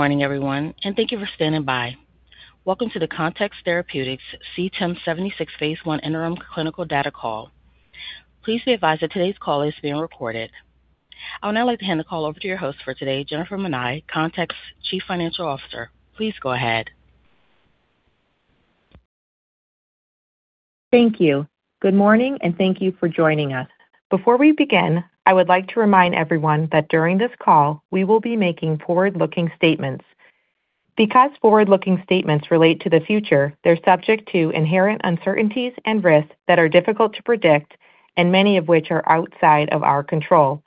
Morning everyone, thank you for standing by. Welcome to the Context Therapeutics CTIM-76 phase I interim clinical data call. Please be advised that today's call is being recorded. I would now like to hand the call over to your host for today, Jennifer Minai, Context Chief Financial Officer. Please go ahead. Thank you. Good morning and thank you for joining us. Before we begin, I would like to remind everyone that during this call, we will be making forward-looking statements. Because forward-looking statements relate to the future, they're subject to inherent uncertainties and risks that are difficult to predict and many of which are outside of our control.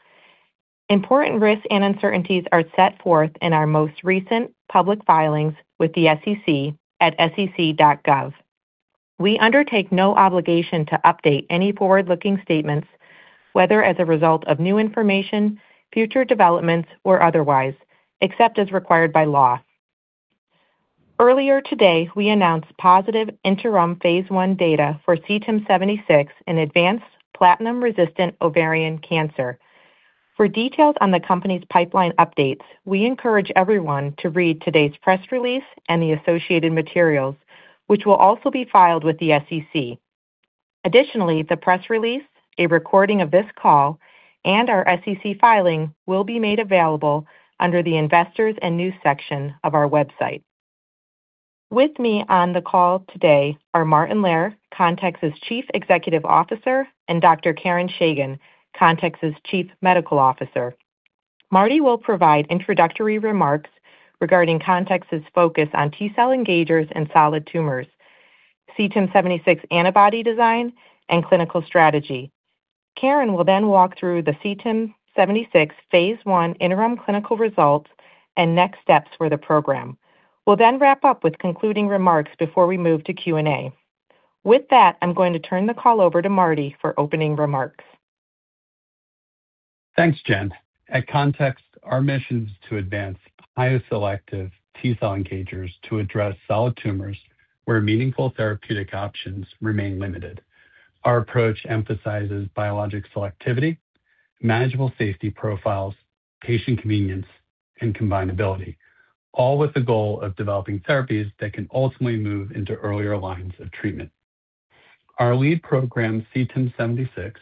Important risks and uncertainties are set forth in our most recent public filings with the SEC at sec.gov. We undertake no obligation to update any forward-looking statements, whether as a result of new information, future developments, or otherwise, except as required by law. Earlier today, we announced positive interim phase I data for CTIM-76 in advanced platinum-resistant ovarian cancer. For details on the company's pipeline updates, we encourage everyone to read today's press release and the associated materials, which will also be filed with the SEC. Additionally, the press release, a recording of this call, and our SEC filing will be made available under the investors and news section of our website. With me on the call today are Martin Lehr, Context's Chief Executive Officer, and Dr. Karen Chagin, Context's Chief Medical Officer. Marty will provide introductory remarks regarding Context's focus on T cell engagers in solid tumors, CTIM-76 antibody design, and clinical strategy. Karen will then walk through the CTIM-76 phase I interim clinical results and next steps for the program. We'll then wrap up with concluding remarks before we move to Q&A. With that, I'm going to turn the call over to Marty for opening remarks. Thanks, Jen. At Context, our mission is to advance high selective T cell engagers to address solid tumors where meaningful therapeutic options remain limited. Our approach emphasizes biologic selectivity, manageable safety profiles, patient convenience, and combinability, all with the goal of developing therapies that can ultimately move into earlier lines of treatment. Our lead program, CTIM-76,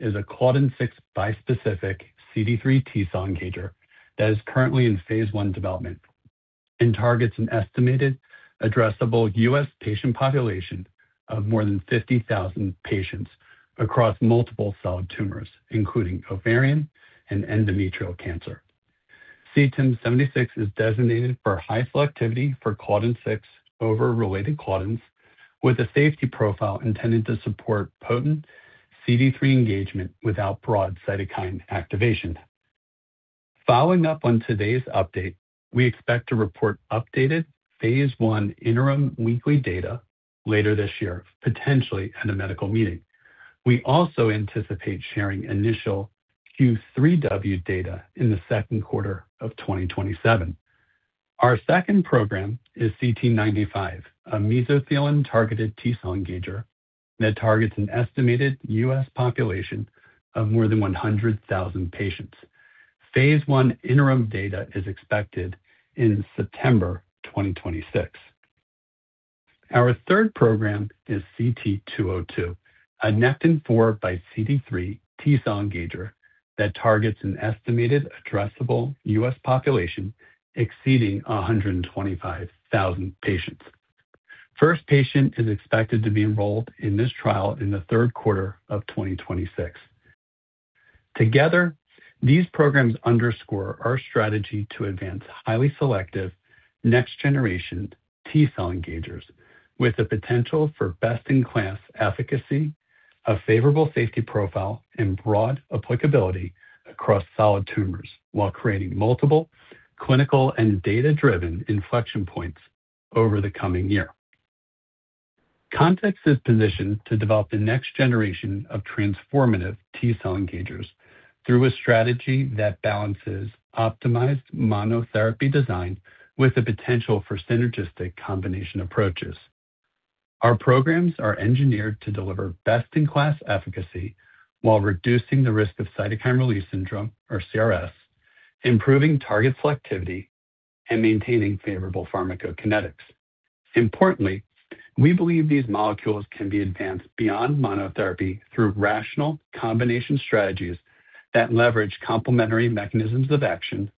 is a Claudin 6 bispecific CD3 T cell engager that is currently in phase I development and targets an estimated addressable U.S. patient population of more than 50,000 patients across multiple solid tumors, including ovarian and endometrial cancer. CTIM-76 is designated for high selectivity for Claudin 6 over related claudins, with a safety profile intended to support potent CD3 engagement without broad cytokine activation. Following up on today's update, we expect to report updated phase I interim weekly data later this year, potentially at a medical meeting. We also anticipate sharing initial Q3W data in the second quarter of 2027. Our second program is CT-95, a mesothelin-targeted T cell engager that targets an estimated U.S. population of more than 100,000 patients. Phase I interim data is expected in September 2026. Our third program is CT-202, a Nectin-4 x CD3 T cell engager that targets an estimated addressable U.S. population exceeding 125,000 patients. First patient is expected to be enrolled in this trial in the third quarter of 2026. Together, these programs underscore our strategy to advance highly selective next generation T cell engagers with the potential for best-in-class efficacy, a favorable safety profile, and broad applicability across solid tumors, while creating multiple clinical and data-driven inflection points over the coming year. Context is positioned to develop the next generation of transformative T cell engagers through a strategy that balances optimized monotherapy design with the potential for synergistic combination approaches. Our programs are engineered to deliver best-in-class efficacy while reducing the risk of cytokine release syndrome, or CRS, improving target selectivity, and maintaining favorable pharmacokinetics. Importantly, we believe these molecules can be advanced beyond monotherapy through rational combination strategies that leverage complementary mechanisms of action,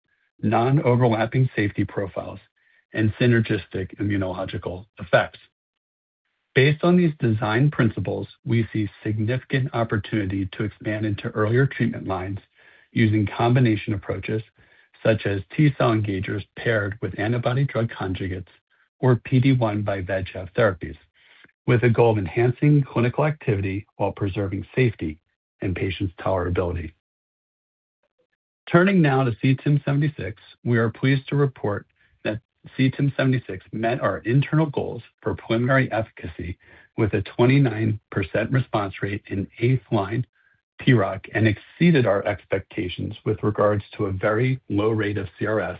non-overlapping safety profiles, and synergistic immunological effects. Based on these design principles, we see a significant opportunity to expand into earlier treatment lines using combination approaches such as T cell engagers paired with antibody-drug conjugates or PD-1 x VEGF therapies, with the goal of enhancing clinical activity while preserving safety and patients' tolerability. Turning now to CTIM-76, we are pleased to report that CTIM-76 met our internal goals for preliminary efficacy with a 29% response rate in 8th-line PROC and exceeded our expectations with regards to a very low rate of CRS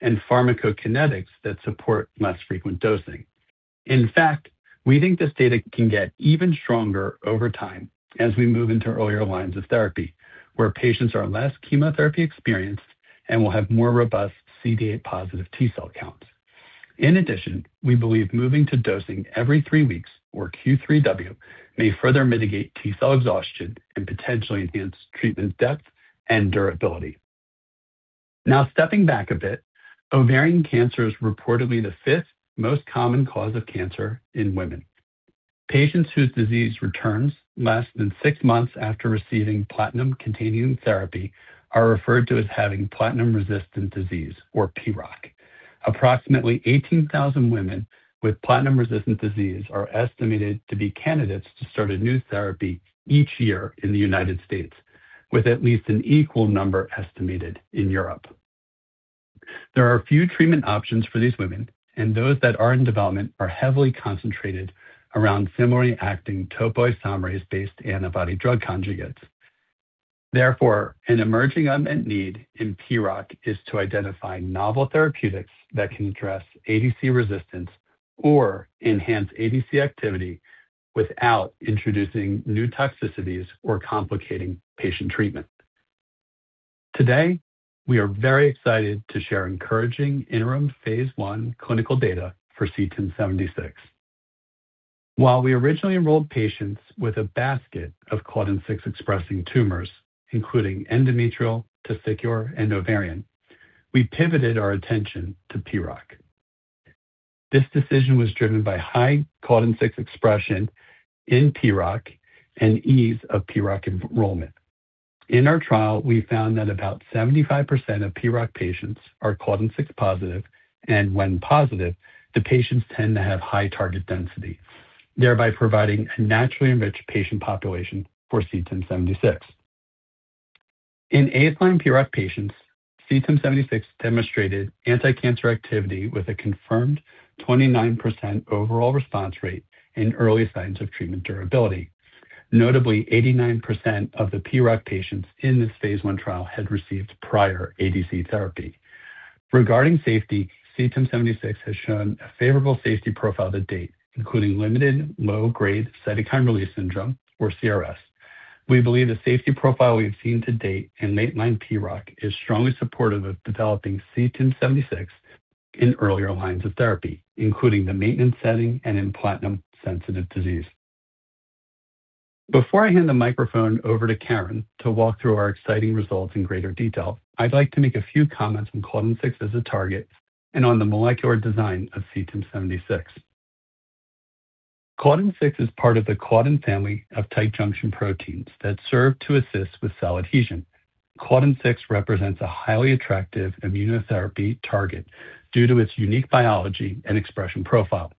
and pharmacokinetics that support less frequent dosing. In fact, we think this data can get even stronger over time as we move into earlier lines of therapy where patients are less chemotherapy-experienced and will have more robust CD8+ T cell counts. In addition, we believe moving to dosing every three weeks, or Q3W, may further mitigate T cell exhaustion and potentially enhance treatment depth and durability. Now, stepping back a bit, ovarian cancer is reportedly the fifth most common cause of cancer in women. Patients whose disease returns less than six months after receiving platinum-containing therapy are referred to as having platinum-resistant disease, or PROC. Approximately 18,000 women with platinum-resistant disease are estimated to be candidates to start a new therapy each year in the U.S., with at least an equal number estimated in Europe. There are few treatment options for these women, and those that are in development are heavily concentrated around similarly acting topoisomerase-based antibody-drug conjugates. Therefore, an emerging unmet need in PROC is to identify novel therapeutics that can address ADC resistance or enhance ADC activity without introducing new toxicities or complicating patient treatment. Today, we are very excited to share encouraging interim phase I clinical data for CTIM-76. While we originally enrolled patients with a basket of Claudin 6-expressing tumors, including endometrial, testicular, and ovarian, we pivoted our attention to PROC. This decision was driven by high Claudin 6 expression in PROC and ease of PROC enrollment. In our trial, we found that about 75% of PROC patients are CLDN6-positive, and when positive, the patients tend to have high target density, thereby providing a naturally enriched patient population for CTIM-76. In baseline PROC patients, CTIM-76 demonstrated anticancer activity with a confirmed 29% overall response rate and early signs of treatment durability. Notably, 89% of the PROC patients in this phase I trial had received prior ADC therapy. Regarding safety, CTIM-76 has shown a favorable safety profile to date, including limited low-grade cytokine release syndrome, or CRS. We believe the safety profile we have seen to date in late-line PROC is strongly supportive of developing CTIM-76 in earlier lines of therapy, including the maintenance setting and in platinum-sensitive disease. Before I hand the microphone over to Karen to walk through our exciting results in greater detail, I'd like to make a few comments on Claudin 6 as a target and on the molecular design of CTIM-76. Claudin 6 is part of the claudin family of tight junction proteins that serve to assist with cell adhesion. Claudin 6 represents a highly attractive immunotherapy target due to its unique biology and expression profile.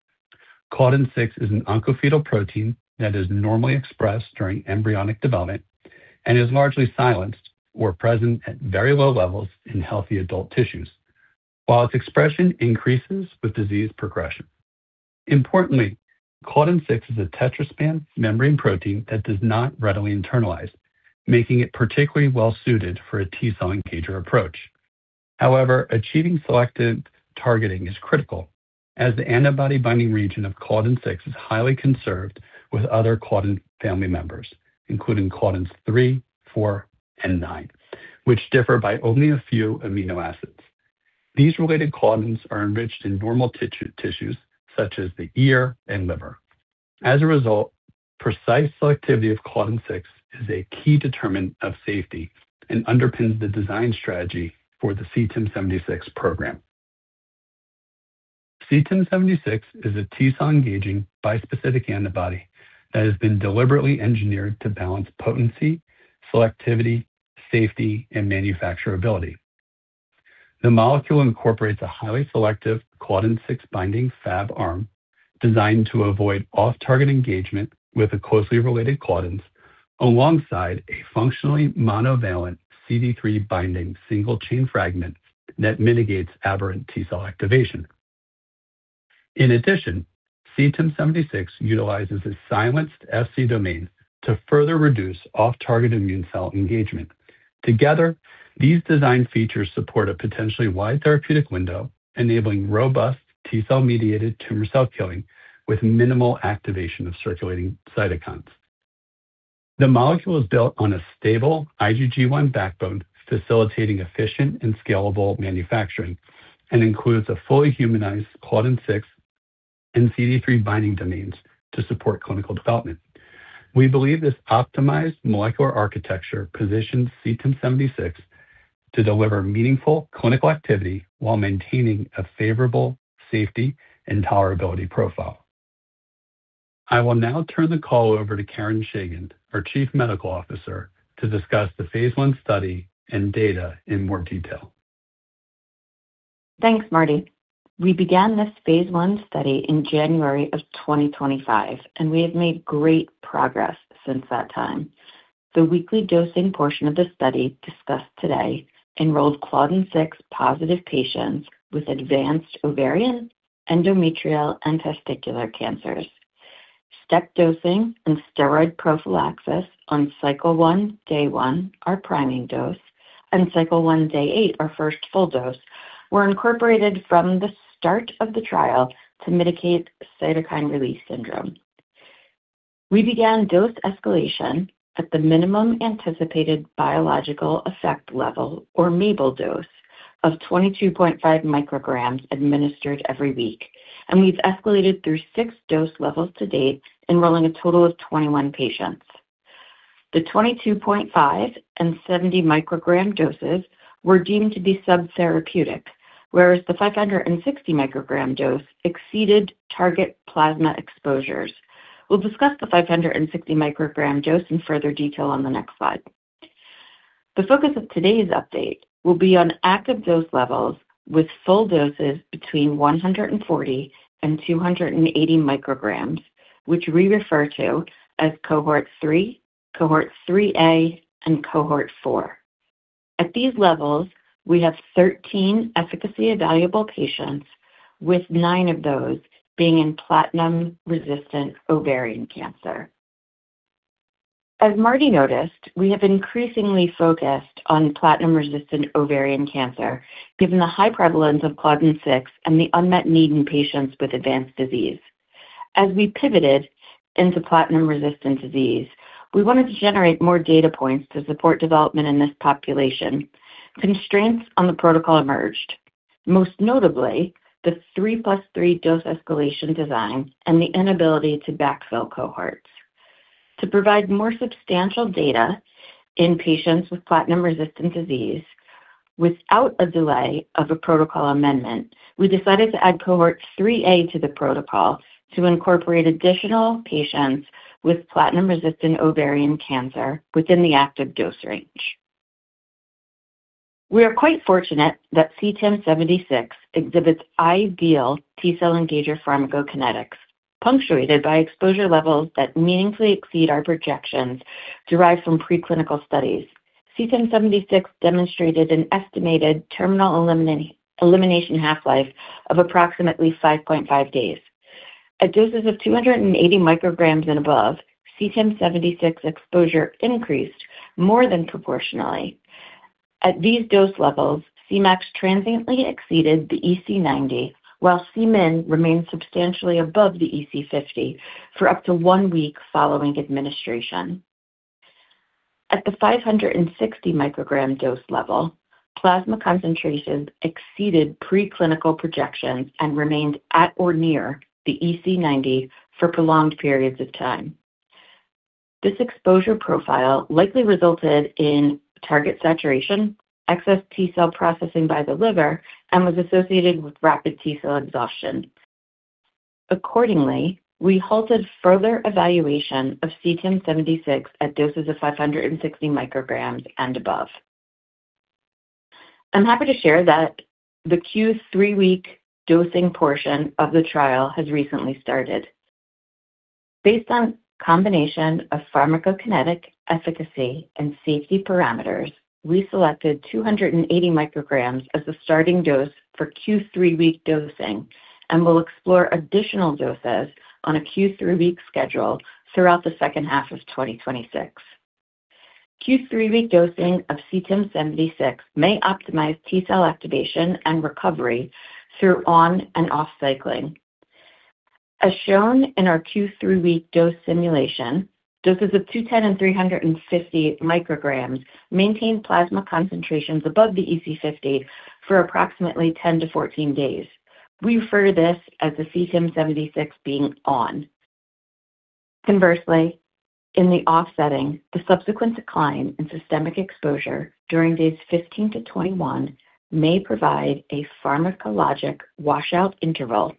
Claudin 6 is an oncofetal protein that is normally expressed during embryonic development and is largely silenced or present at very low levels in healthy adult tissues, while its expression increases with disease progression. Importantly, Claudin 6 is a tetraspan membrane protein that does not readily internalize, making it particularly well-suited for a T cell engager approach. Achieving selective targeting is critical, as the antibody-binding region of Claudin 6 is highly conserved with other claudin family members, including claudins 3, 4, and 9, which differ by only a few amino acids. These related claudins are enriched in normal tissues, such as the ear and liver. As a result, precise selectivity of Claudin 6 is a key determinant of safety and underpins the design strategy for the CTIM-76 program. CTIM-76 is a T cell-engaging bispecific antibody that has been deliberately engineered to balance potency, selectivity, safety, and manufacturability. The molecule incorporates a highly selective Claudin 6-binding Fab arm designed to avoid off-target engagement with the closely related claudins alongside a functionally monovalent CD3-binding single chain fragment that mitigates aberrant T cell activation. CTIM-76 utilizes a silenced Fc domain to further reduce off-target immune cell engagement. Together, these design features support a potentially wide therapeutic window, enabling robust T cell-mediated tumor cell killing with minimal activation of circulating cytokines. The molecule is built on a stable IgG1 backbone, facilitating efficient and scalable manufacturing, and includes a fully humanized Claudin 6 and CD3 binding domains to support clinical development. We believe this optimized molecular architecture positions CTIM-76 to deliver meaningful clinical activity while maintaining a favorable safety and tolerability profile. I will now turn the call over to Karen Chagin, our Chief Medical Officer, to discuss the phase I study and data in more detail. Thanks, Marty. We began this phase I study in January of 2025, and we have made great progress since that time. The weekly dosing portion of the study discussed today enrolled CLDN6-positive patients with advanced ovarian, endometrial, and testicular cancers. Step dosing and steroid prophylaxis on cycle one, day one, our priming dose, and cycle one, day eight our first full dose, were incorporated from the start of the trial to mitigate cytokine release syndrome. We began dose escalation at the minimum anticipated biological effect level, or MABEL dose, of 22.5 µg administered every week, and we've escalated through 6-dose levels to date, enrolling a total of 21 patients. The 22.5 µg and 70 µg doses were deemed to be subtherapeutic, whereas the 560 µg dose exceeded target plasma exposures. We'll discuss the 560 µg dose in further detail on the next slide. The focus of today's update will be on active dose levels with full doses between 140 µg and 280 µg, which we refer to as Cohort 3, Cohort 3A, and Cohort 4. At these levels, we have 13 efficacy-evaluable patients, with nine of those being in platinum-resistant ovarian cancer. As Marty noted, we have increasingly focused on platinum-resistant ovarian cancer, given the high prevalence of Claudin 6 and the unmet need in patients with advanced disease. Constraints on the protocol emerged, most notably the 3+3 dose escalation design and the inability to backfill cohorts. To provide more substantial data in patients with platinum-resistant disease without a delay of a protocol amendment, we decided to add Cohort 3A to the protocol to incorporate additional patients with platinum-resistant ovarian cancer within the active dose range. We are quite fortunate that CTIM-76 exhibits ideal T cell engager pharmacokinetics, punctuated by exposure levels that meaningfully exceed our projections derived from preclinical studies. CTIM-76 demonstrated an estimated terminal elimination half-life of approximately 5.5 days. At doses of 280 µg and above, CTIM-76 exposure increased more than proportionally. At these dose levels, Cmax transiently exceeded the EC90, while Cmin remained substantially above the EC50 for up to one week following administration. At the 560 µg dose level, plasma concentrations exceeded preclinical projections and remained at or near the EC90 for prolonged periods of time. This exposure profile likely resulted in target saturation, excess T cell processing by the liver, and was associated with rapid T cell exhaustion. Accordingly, I halted further evaluation of CTIM-76 at doses of 560 µg and above. I'm happy to share that the Q3-week dosing portion of the trial has recently started. Based on a combination of pharmacokinetic efficacy and safety parameters, we selected 280 µg as the starting dose for Q3-week dosing and will explore additional doses on a Q3-week schedule throughout the second half of 2026. Q3-week dosing of CTIM-76 may optimize T cell activation and recovery through on and off cycling. As shown in our Q3-week dose simulation, doses of 210 µg and 350 µg maintained plasma concentrations above the EC50 for approximately 10 to 14 days. We refer to this as the CTIM-76 being on. Conversely, in the off setting, the subsequent decline in systemic exposure during days 15 to 21 may provide a pharmacologic washout interval,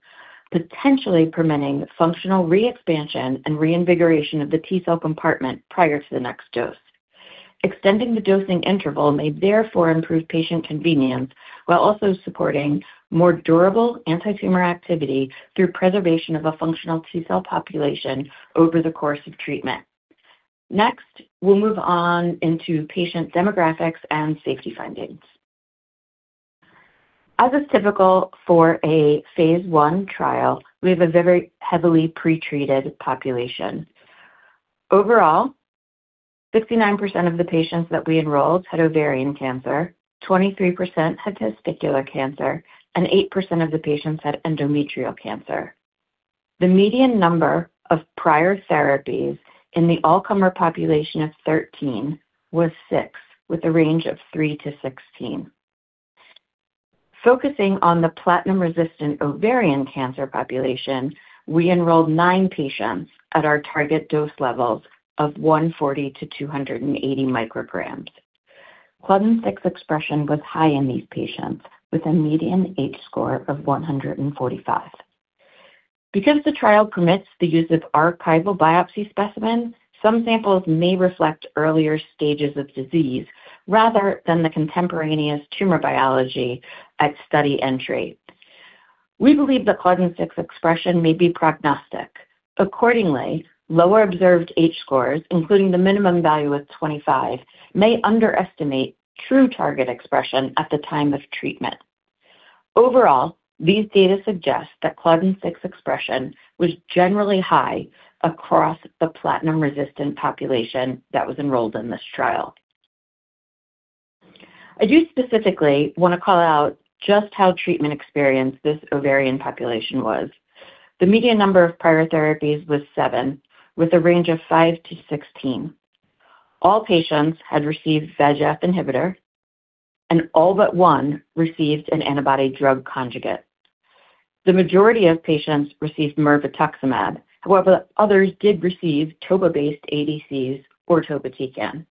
potentially permitting functional re-expansion and reinvigoration of the T cell compartment prior to the next dose. Extending the dosing interval may therefore improve patient convenience while also supporting more durable antitumor activity through preservation of a functional T cell population over the course of treatment. We'll move on into patient demographics and safety findings. As is typical for a phase I trial, we have a very heavily pretreated population. Overall, 69% of the patients that we enrolled had ovarian cancer, 23% had testicular cancer, and eight% of the patients had endometrial cancer. The median number of prior therapies in the all-comer population of 13 was six, with a range of 3-16. Focusing on the platinum-resistant ovarian cancer population, we enrolled nine patients at our target dose levels of 140 µg-280 µg. Claudin 6 expression was high in these patients, with a median H-score of 145. Because the trial permits the use of archival biopsy specimens, some samples may reflect earlier stages of disease rather than the contemporaneous tumor biology at study entry. We believe that Claudin 6 expression may be prognostic. Accordingly, lower observed H-scores, including the minimum value of 25, may underestimate true target expression at the time of treatment. Overall, these data suggest that Claudin 6 expression was generally high across the platinum-resistant population that was enrolled in this trial. I do specifically want to call out just how treatment experienced this ovarian population was. The median number of prior therapies was seven, with a range of 5-16. All patients had received VEGF inhibitor, and all but one received an antibody drug conjugate. The majority of patients received mirvetuximab. Others did receive Topo-based ADCs or topotecan.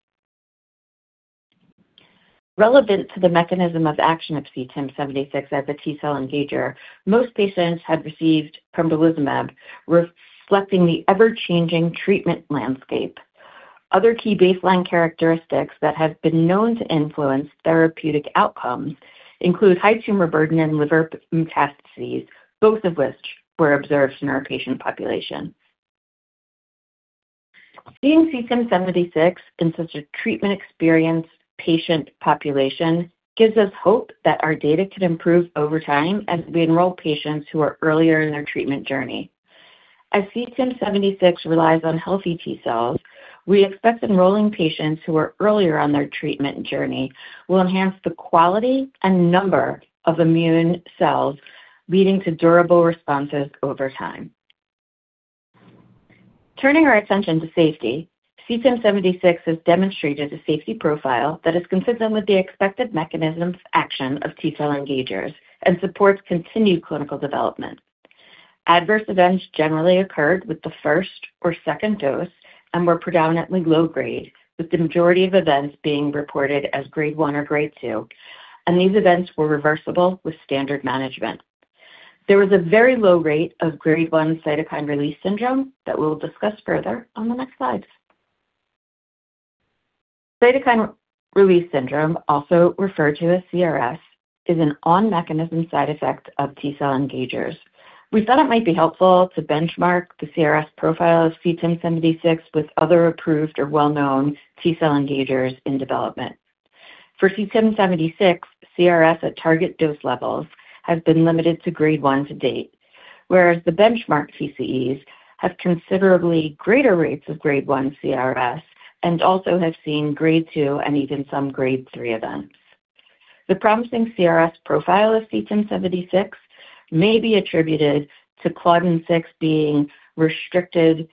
Relevant to the mechanism of action of CTIM-76 as a T cell engager, most patients had received pembrolizumab, reflecting the ever-changing treatment landscape. Other key baseline characteristics that have been known to influence therapeutic outcomes include high tumor burden and liver metastases, both of which were observed in our patient population. Seeing CTIM-76 in such a treatment-experienced patient population gives us hope that our data can improve over time as we enroll patients who are earlier in their treatment journey. CTIM-76 relies on healthy T cells, we expect enrolling patients who are earlier on their treatment journey will enhance the quality and number of immune cells, leading to durable responses over time. Turning our attention to safety, CTIM-76 has demonstrated a safety profile that is consistent with the expected mechanism of action of T cell engagers and supports continued clinical development. Adverse events generally occurred with the first or second dose and were predominantly low grade, with the majority of events being reported as Grade 1 or Grade 2, and these events were reversible with standard management. There was a very low rate of Grade 1 cytokine release syndrome that we will discuss further on the next slides. Cytokine release syndrome, also referred to as CRS, is an on-mechanism side effect of T cell engagers. We thought it might be helpful to benchmark the CRS profile of CTIM-76 with other approved or well-known T cell engagers in development. For CTIM-76, CRS at target dose levels has been limited to Grade 1 to date, whereas the benchmark TCEs have considerably greater rates of Grade 1 CRS and also have seen Grade 2 and even some Grade 3 events. The promising CRS profile of CTIM-76 may be attributed to Claudin 6 being restricted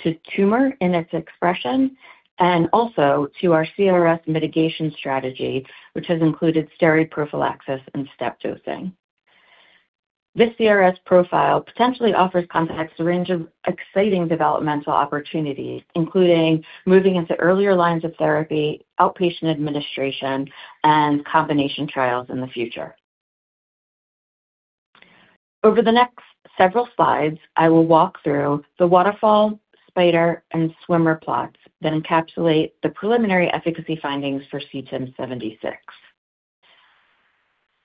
to tumor in its expression and also to our CRS mitigation strategy, which has included steroid prophylaxis and step dosing. This CRS profile potentially offers Context a range of exciting developmental opportunities, including moving into earlier lines of therapy, outpatient administration, and combination trials in the future. Over the next several slides, I will walk through the waterfall, spider, and swimmer plots that encapsulate the preliminary efficacy findings for CTIM-76.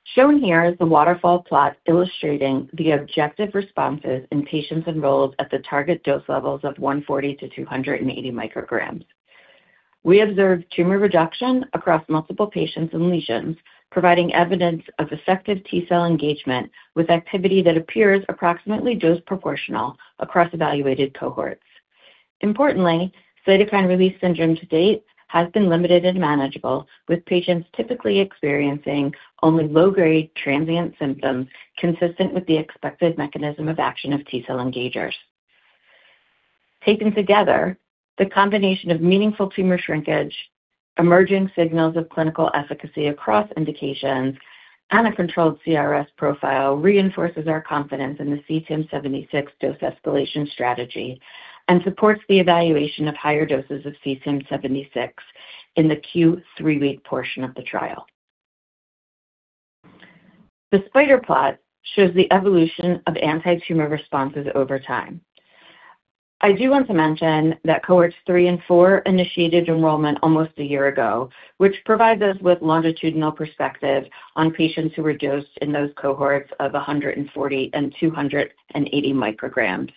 Shown here is the waterfall plot illustrating the objective responses in patients enrolled at the target dose levels of 140 µg-280 µg. We observed tumor reduction across multiple patients and lesions, providing evidence of effective T cell engagement with activity that appears approximately dose proportional across evaluated cohorts. Importantly, cytokine release syndrome to date has been limited and manageable, with patients typically experiencing only low-grade transient symptoms consistent with the expected mechanism of action of T cell engagers. Taken together, the combination of meaningful tumor shrinkage, emerging signals of clinical efficacy across indications, and a controlled CRS profile reinforces our confidence in the CTIM-76 dose escalation strategy and supports the evaluation of higher doses of CTIM-76 in the Q3-week portion of the trial. The spider plot shows the evolution of anti-tumor responses over time. I do want to mention that Cohorts 3 and 4 initiated enrollments almost a year ago, which provides us with a longitudinal perspective on patients who were dosed in those cohorts of 140 µg-280 µg.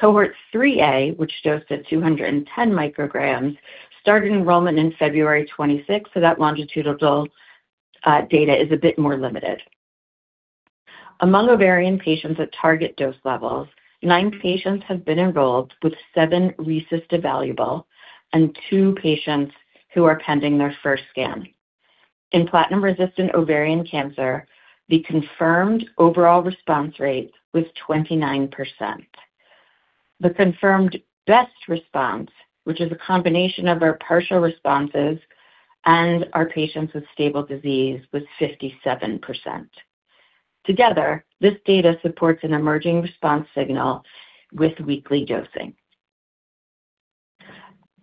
Cohort 3A, which dosed at 210 µg, started enrollment in February 2026, so that longitudinal data is a bit more limited. Among ovarian patients at target dose levels, nine patients have been enrolled with seven RECIST evaluable and two patients who are pending their first scan. In platinum-resistant ovarian cancer, the confirmed overall response rate was 29%. The confirmed best response, which is a combination of our partial responses and our patients with stable disease, was 57%. Together, this data support an emerging response signal with weekly dosing.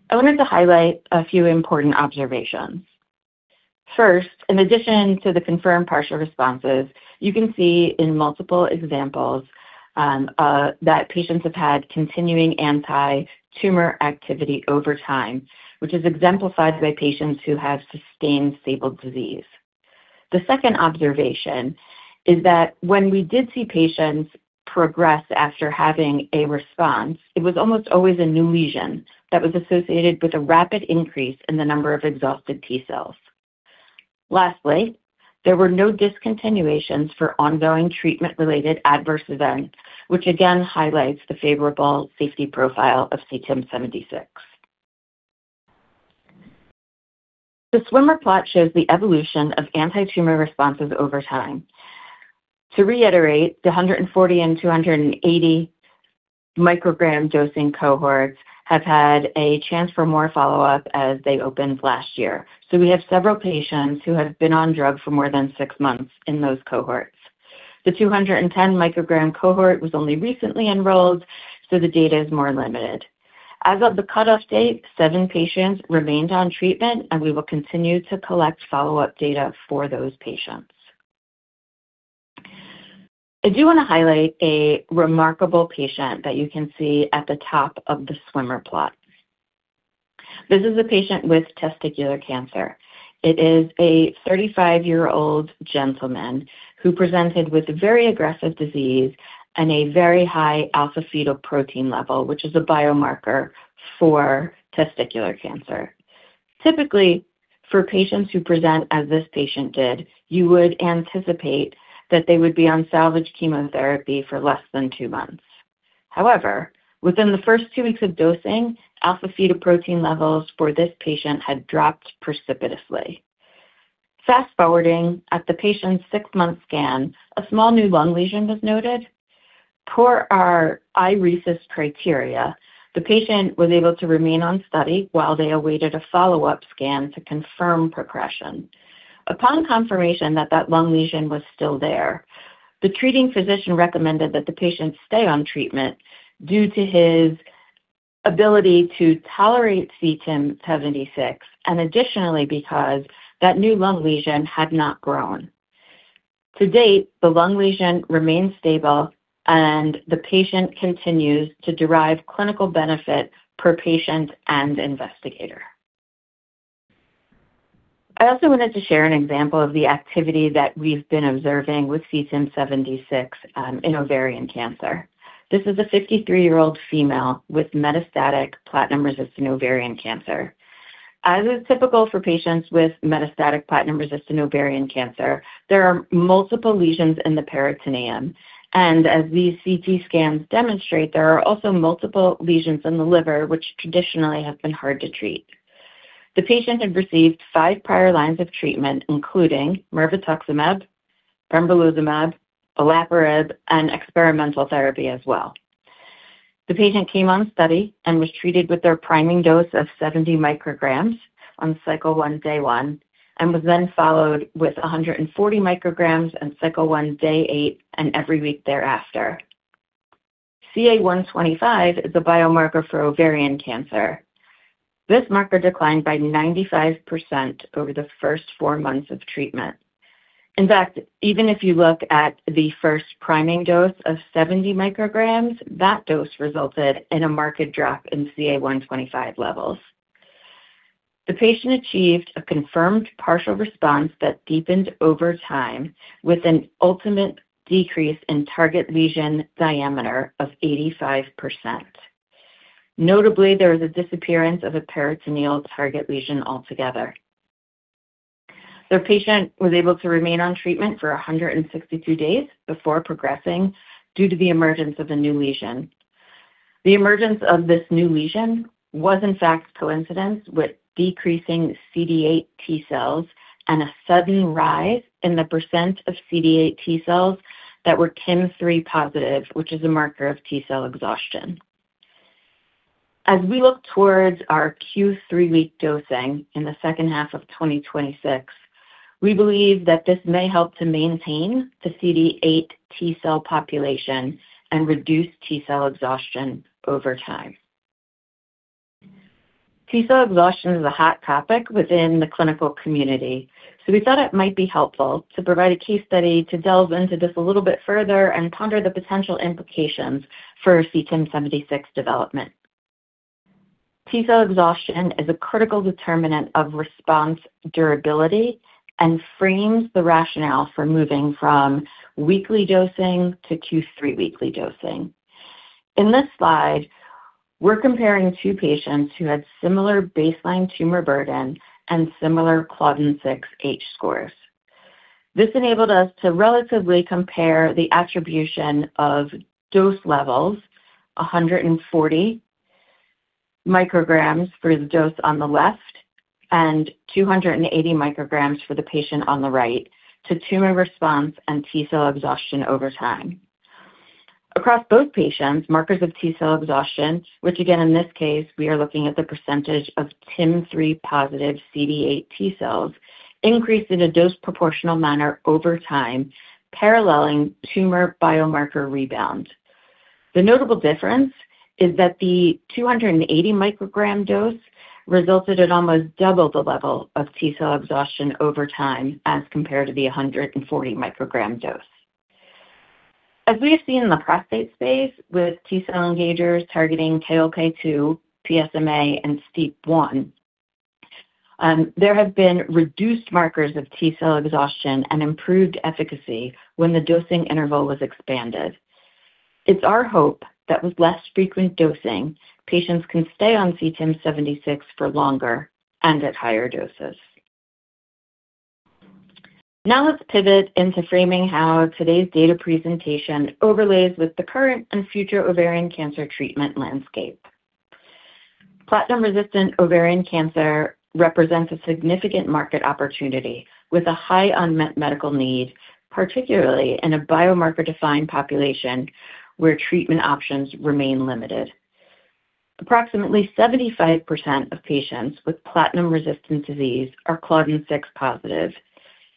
I wanted to highlight a few important observations. First, in addition to the confirmed partial responses, you can see in multiple examples that patients have had continuing anti-tumor activity over time, which is exemplified by patients who have sustained stable disease. The second observation is that when we did see patients progress after having a response, it was almost always a new lesion that was associated with a rapid increase in the number of exhausted T cells. Lastly, there were no discontinuations for ongoing treatment-related adverse events, which again highlights the favorable safety profile of CTIM-76. The swimmer plot shows the evolution of anti-tumor responses over time. To reiterate, the 140 µg and 280 µg dosing cohorts have had a chance for more follow-up as they opened last year. We have several patients who have been on drug for more than six months in those cohorts. The 210 µg cohort was only recently enrolled, so the data is more limited. As of the cutoff date, seven patients remained on treatment, and we will continue to collect follow-up data for those patients. I do want to highlight a remarkable patient that you can see at the top of the swimmer plot. This is a patient with testicular cancer. It is a 35-year-old gentleman who presented with a very aggressive disease and a very high alpha-fetoprotein level, which is a biomarker for testicular cancer. Typically, for patients who present as this patient did, you would anticipate that they would be on salvage chemotherapy for less than two months. However, within the first two weeks of dosing, alpha-fetoprotein levels for this patient had dropped precipitously. Fast-forwarding at the patient's six-month scan, a small new lung lesion was noted. Per our iRECIST criteria, the patient was able to remain on study while they awaited a follow-up scan to confirm progression. Upon confirmation that that lung lesion was still there, the treating physician recommended that the patient stay on treatment due to his ability to tolerate CTIM-76, and additionally, because that new lung lesion had not grown. To date, the lung lesion remains stable, and the patient continues to derive clinical benefit per patient and investigator. I also wanted to share an example of the activity that we've been observing with CTIM-76 in ovarian cancer. This is a 53-year-old female with metastatic platinum-resistant ovarian cancer. As is typical for patients with metastatic platinum-resistant ovarian cancer, there are multiple lesions in the peritoneum. As these CT scans demonstrate, there are also multiple lesions in the liver, which traditionally have been hard to treat. The patient had received five prior lines of treatment, including mirvetuximab, pembrolizumab, olaparib, and experimental therapy as well. The patient came on study and was treated with their priming dose of 70 µg on cycle one, day one, and was then followed with 140 µg on cycle one, day eight, and every week thereafter. CA-125 is a biomarker for ovarian cancer. This marker declined by 95% over the first four months of treatment. In fact, even if you look at the first priming dose of 70 µg, that dose resulted in a marked drop in CA-125 levels. The patient achieved a confirmed partial response that deepened over time, with an ultimate decrease in target lesion diameter of 85%. Notably, there was a disappearance of a peritoneal target lesion altogether. The patient was able to remain on treatment for 162 days before progressing due to the emergence of a new lesion. The emergence of this new lesion was in fact coincident with decreasing CD8 T cells and a sudden rise in the percent of CD8 T cells that were TIM-3 positive, which is a marker of T cell exhaustion. We look towards our Q3-week dosing in the second half of 2026, we believe that this may help to maintain the CD8 T cell population and reduce T cell exhaustion over time. T cell exhaustion is a hot topic within the clinical community. We thought it might be helpful to provide a case study to delve into this a little bit further and ponder the potential implications for CTIM-76 development. T cell exhaustion is a critical determinant of response durability and frames the rationale for moving from weekly dosing to three-weekly dosing. In this slide, we're comparing two patients who had similar baseline tumor burden and similar Claudin 6 H-scores. This enabled us to relatively compare the attribution of dose levels, 140 µg for the dose on the left and 280 µg for the patient on the right, to tumor response and T cell exhaustion over time. Across both patients, markers of T cell exhaustion, which again, in this case, we are looking at the percentage of TIM-3 positive CD8 T cells, increased in a dose-proportional manner over time, paralleling tumor biomarker rebound. The notable difference is that the 280 µg dose resulted in almost double the level of T cell exhaustion over time as compared to the 140 µg dose. As we have seen in the prostate space with T cell engagers targeting KLK2, PSMA, and STEAP1, there have been reduced markers of T cell exhaustion and improved efficacy when the dosing interval was expanded. It's our hope that with less frequent dosing, patients can stay on CTIM-76 for longer and at higher doses. Now, let's pivot into framing how today's data presentation overlays with the current and future ovarian cancer treatment landscape. Platinum-resistant ovarian cancer represents a significant market opportunity with a high unmet medical need, particularly in a biomarker-defined population, where treatment options remain limited. Approximately 75% of patients with platinum-resistant disease are CLDN6-positive.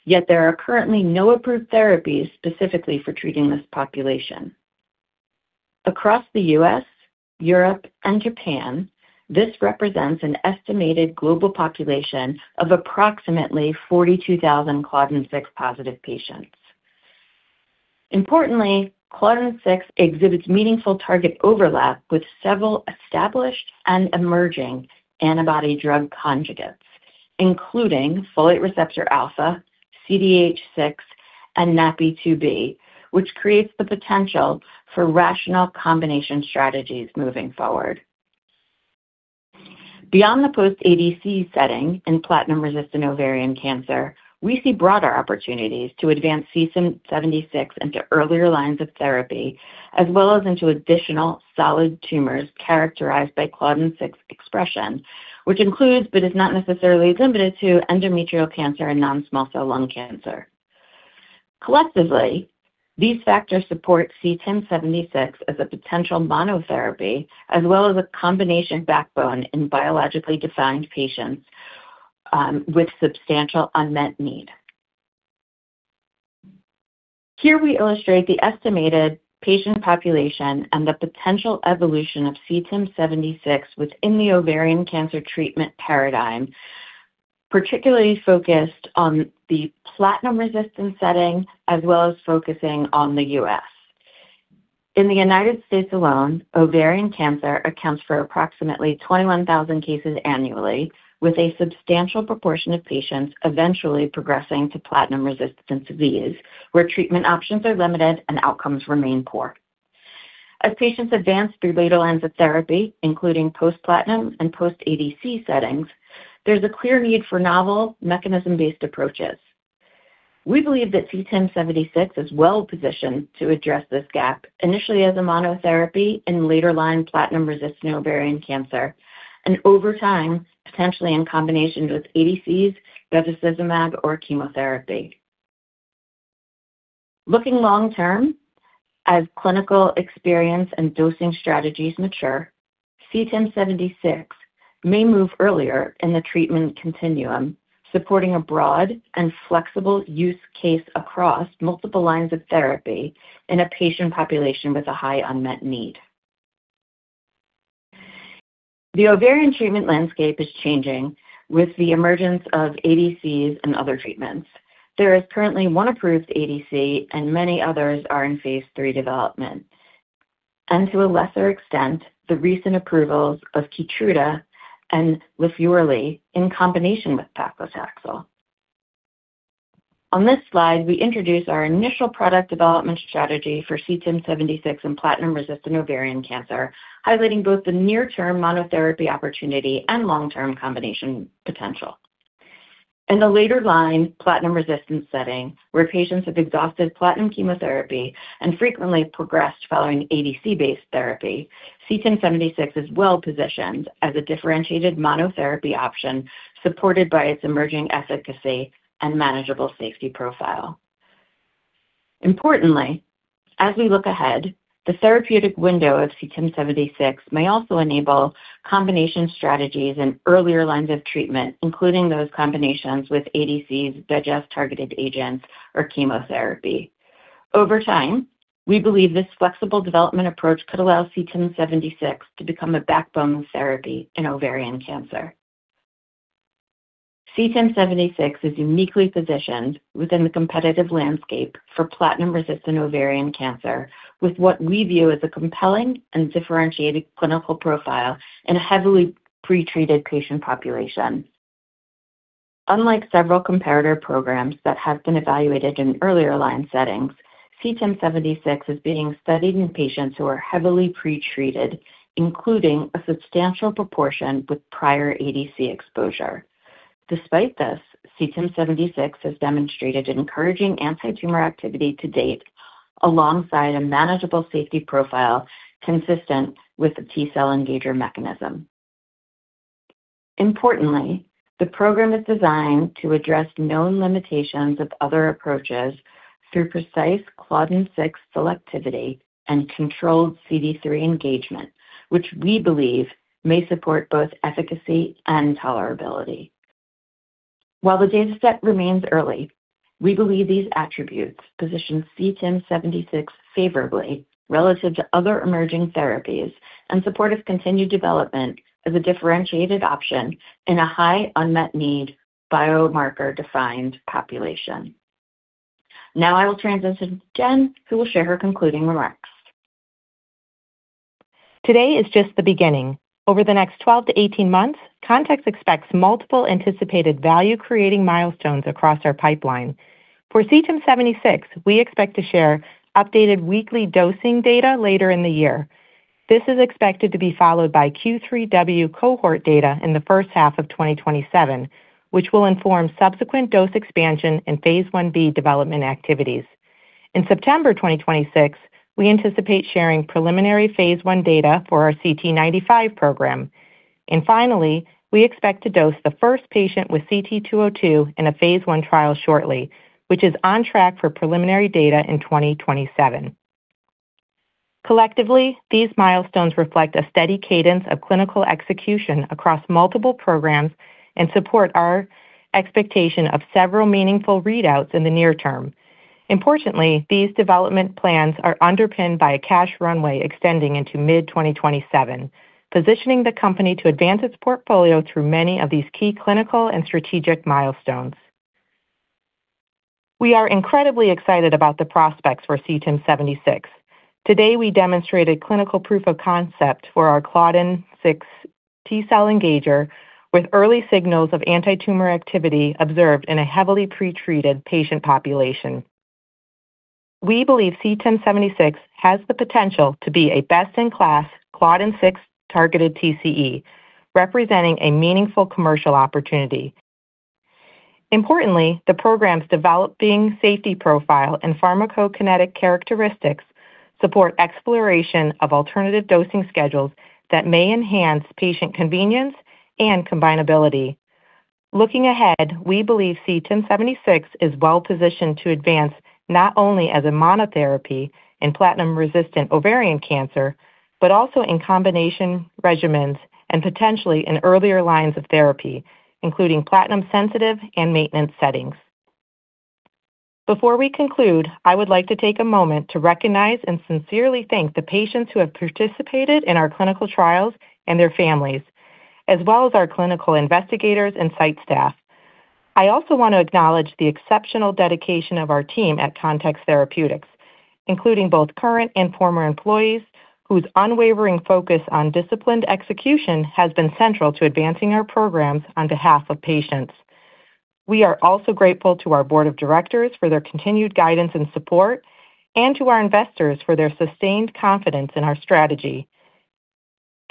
Yet there are currently no approved therapies specifically for treating this population. Across the U.S., Europe, and Japan, this represents an estimated global population of approximately 42,000 CLDN6-positive patients. Importantly, Claudin 6 exhibits meaningful target overlap with several established and emerging antibody drug conjugates, including folate receptor alpha, CDH-6, and NaPi2b, which creates the potential for rational combination strategies moving forward. Beyond the post-ADC setting in platinum-resistant ovarian cancer, we see broader opportunities to advance CTIM-76 into earlier lines of therapy, as well as into additional solid tumors characterized by Claudin 6 expression, which includes, but is not necessarily limited to, endometrial cancer and non-small cell lung cancer. Collectively, these factors support CTIM-76 as a potential monotherapy, as well as a combination backbone in biologically defined patients with substantial unmet need. Here we illustrate the estimated patient population and the potential evolution of CTIM-76 within the ovarian cancer treatment paradigm, particularly focused on the platinum-resistant setting, as well as focusing on the U.S. In the United States alone, ovarian cancer accounts for approximately 21,000 cases annually, with a substantial proportion of patients eventually progressing to platinum-resistant disease, where treatment options are limited, and outcomes remain poor. As patients advance through later lines of therapy, including post-platinum and post-ADC settings, there's a clear need for novel mechanism-based approaches. We believe that CTIM-76 is well-positioned to address this gap, initially as a monotherapy in later-line platinum-resistant ovarian cancer and over time, potentially in combination with ADCs, bevacizumab, or chemotherapy. Looking long term, as clinical experience and dosing strategies mature, CTIM-76 may move earlier in the treatment continuum, supporting a broad and flexible use case across multiple lines of therapy in a patient population with a high unmet need. The ovarian treatment landscape is changing with the emergence of ADCs and other treatments. There is currently one approved ADC, and many others are in phase III development. To a lesser extent, the recent approvals of KEYTRUDA and LENVIMA in combination with paclitaxel. On this slide, we introduce our initial product development strategy for CTIM-76 in platinum-resistant ovarian cancer, highlighting both the near-term monotherapy opportunity and long-term combination potential. In the later line, platinum-resistant setting, where patients have exhausted platinum chemotherapy and frequently progressed following ADC-based therapy, CTIM-76 is well-positioned as a differentiated monotherapy option, supported by its emerging efficacy and manageable safety profile. Importantly, as we look ahead, the therapeutic window of CTIM-76 may also enable combination strategies in earlier lines of treatment, including those combinations with ADCs, bispecific targeted agents, or chemotherapy. Over time, we believe this flexible development approach could allow CTIM-76 to become a backbone therapy in ovarian cancer. CTIM-76 is uniquely positioned within the competitive landscape for platinum-resistant ovarian cancer with what we view as a compelling and differentiated clinical profile in a heavily pretreated patient population. Unlike several comparator programs that have been evaluated in earlier line settings, CTIM-76 is being studied in patients who are heavily pretreated, including a substantial proportion with prior ADC exposure. Despite this, CTIM-76 has demonstrated encouraging anti-tumor activity to date, alongside a manageable safety profile consistent with the T cell engager mechanism. Importantly, the program is designed to address known limitations of other approaches through precise Claudin 6 selectivity and controlled CD3 engagement, which we believe may support both efficacy and tolerability. While the dataset remains early, we believe these attributes position CTIM-76 favorably relative to other emerging therapies and support of continued development as a differentiated option in a high-unmet-need biomarker-defined population. Now I will transition to Jen, who will share her concluding remarks Today is just the beginning. Over the next 12-18 months, Context expects multiple anticipated value-creating milestones across our pipeline. For CTIM-76, we expect to share updated weekly dosing data later in the year. This is expected to be followed by Q3W cohort data in the first half of 2027, which will inform subsequent dose expansion and phase I-B development activities. In September 2026, we anticipate sharing preliminary phase I data for our CT-95 program. Finally, we expect to dose the first patient with CT-202 in a phase I trial shortly, which is on track for preliminary data in 2027. Collectively, these milestones reflect a steady cadence of clinical execution across multiple programs and support our expectation of several meaningful readouts in the near term. Importantly, these development plans are underpinned by a cash runway extending into mid-2027, positioning the company to advance its portfolio through many of these key clinical and strategic milestones. We are incredibly excited about the prospects for CTIM-76. Today, we demonstrated clinical proof of concept for our Claudin 6 T cell engager with early signals of anti-tumor activity observed in a heavily pretreated patient population. We believe CTIM-76 has the potential to be a best-in-class Claudin 6 targeted TCE, representing a meaningful commercial opportunity. Importantly, the program's developing safety profile and pharmacokinetic characteristics support exploration of alternative dosing schedules that may enhance patient convenience and combinability. Looking ahead, we believe CTIM-76 is well-positioned to advance not only as a monotherapy in platinum-resistant ovarian cancer, but also in combination regimens and potentially in earlier lines of therapy, including platinum-sensitive and maintenance settings. Before we conclude, I would like to take a moment to recognize and sincerely thank the patients who have participated in our clinical trials and their families, as well as our clinical investigators and site staff. I also want to acknowledge the exceptional dedication of our team at Context Therapeutics, including both current and former employees, whose unwavering focus on disciplined execution has been central to advancing our programs on behalf of patients. We are also grateful to our board of directors for their continued guidance and support and to our investors for their sustained confidence in our strategy.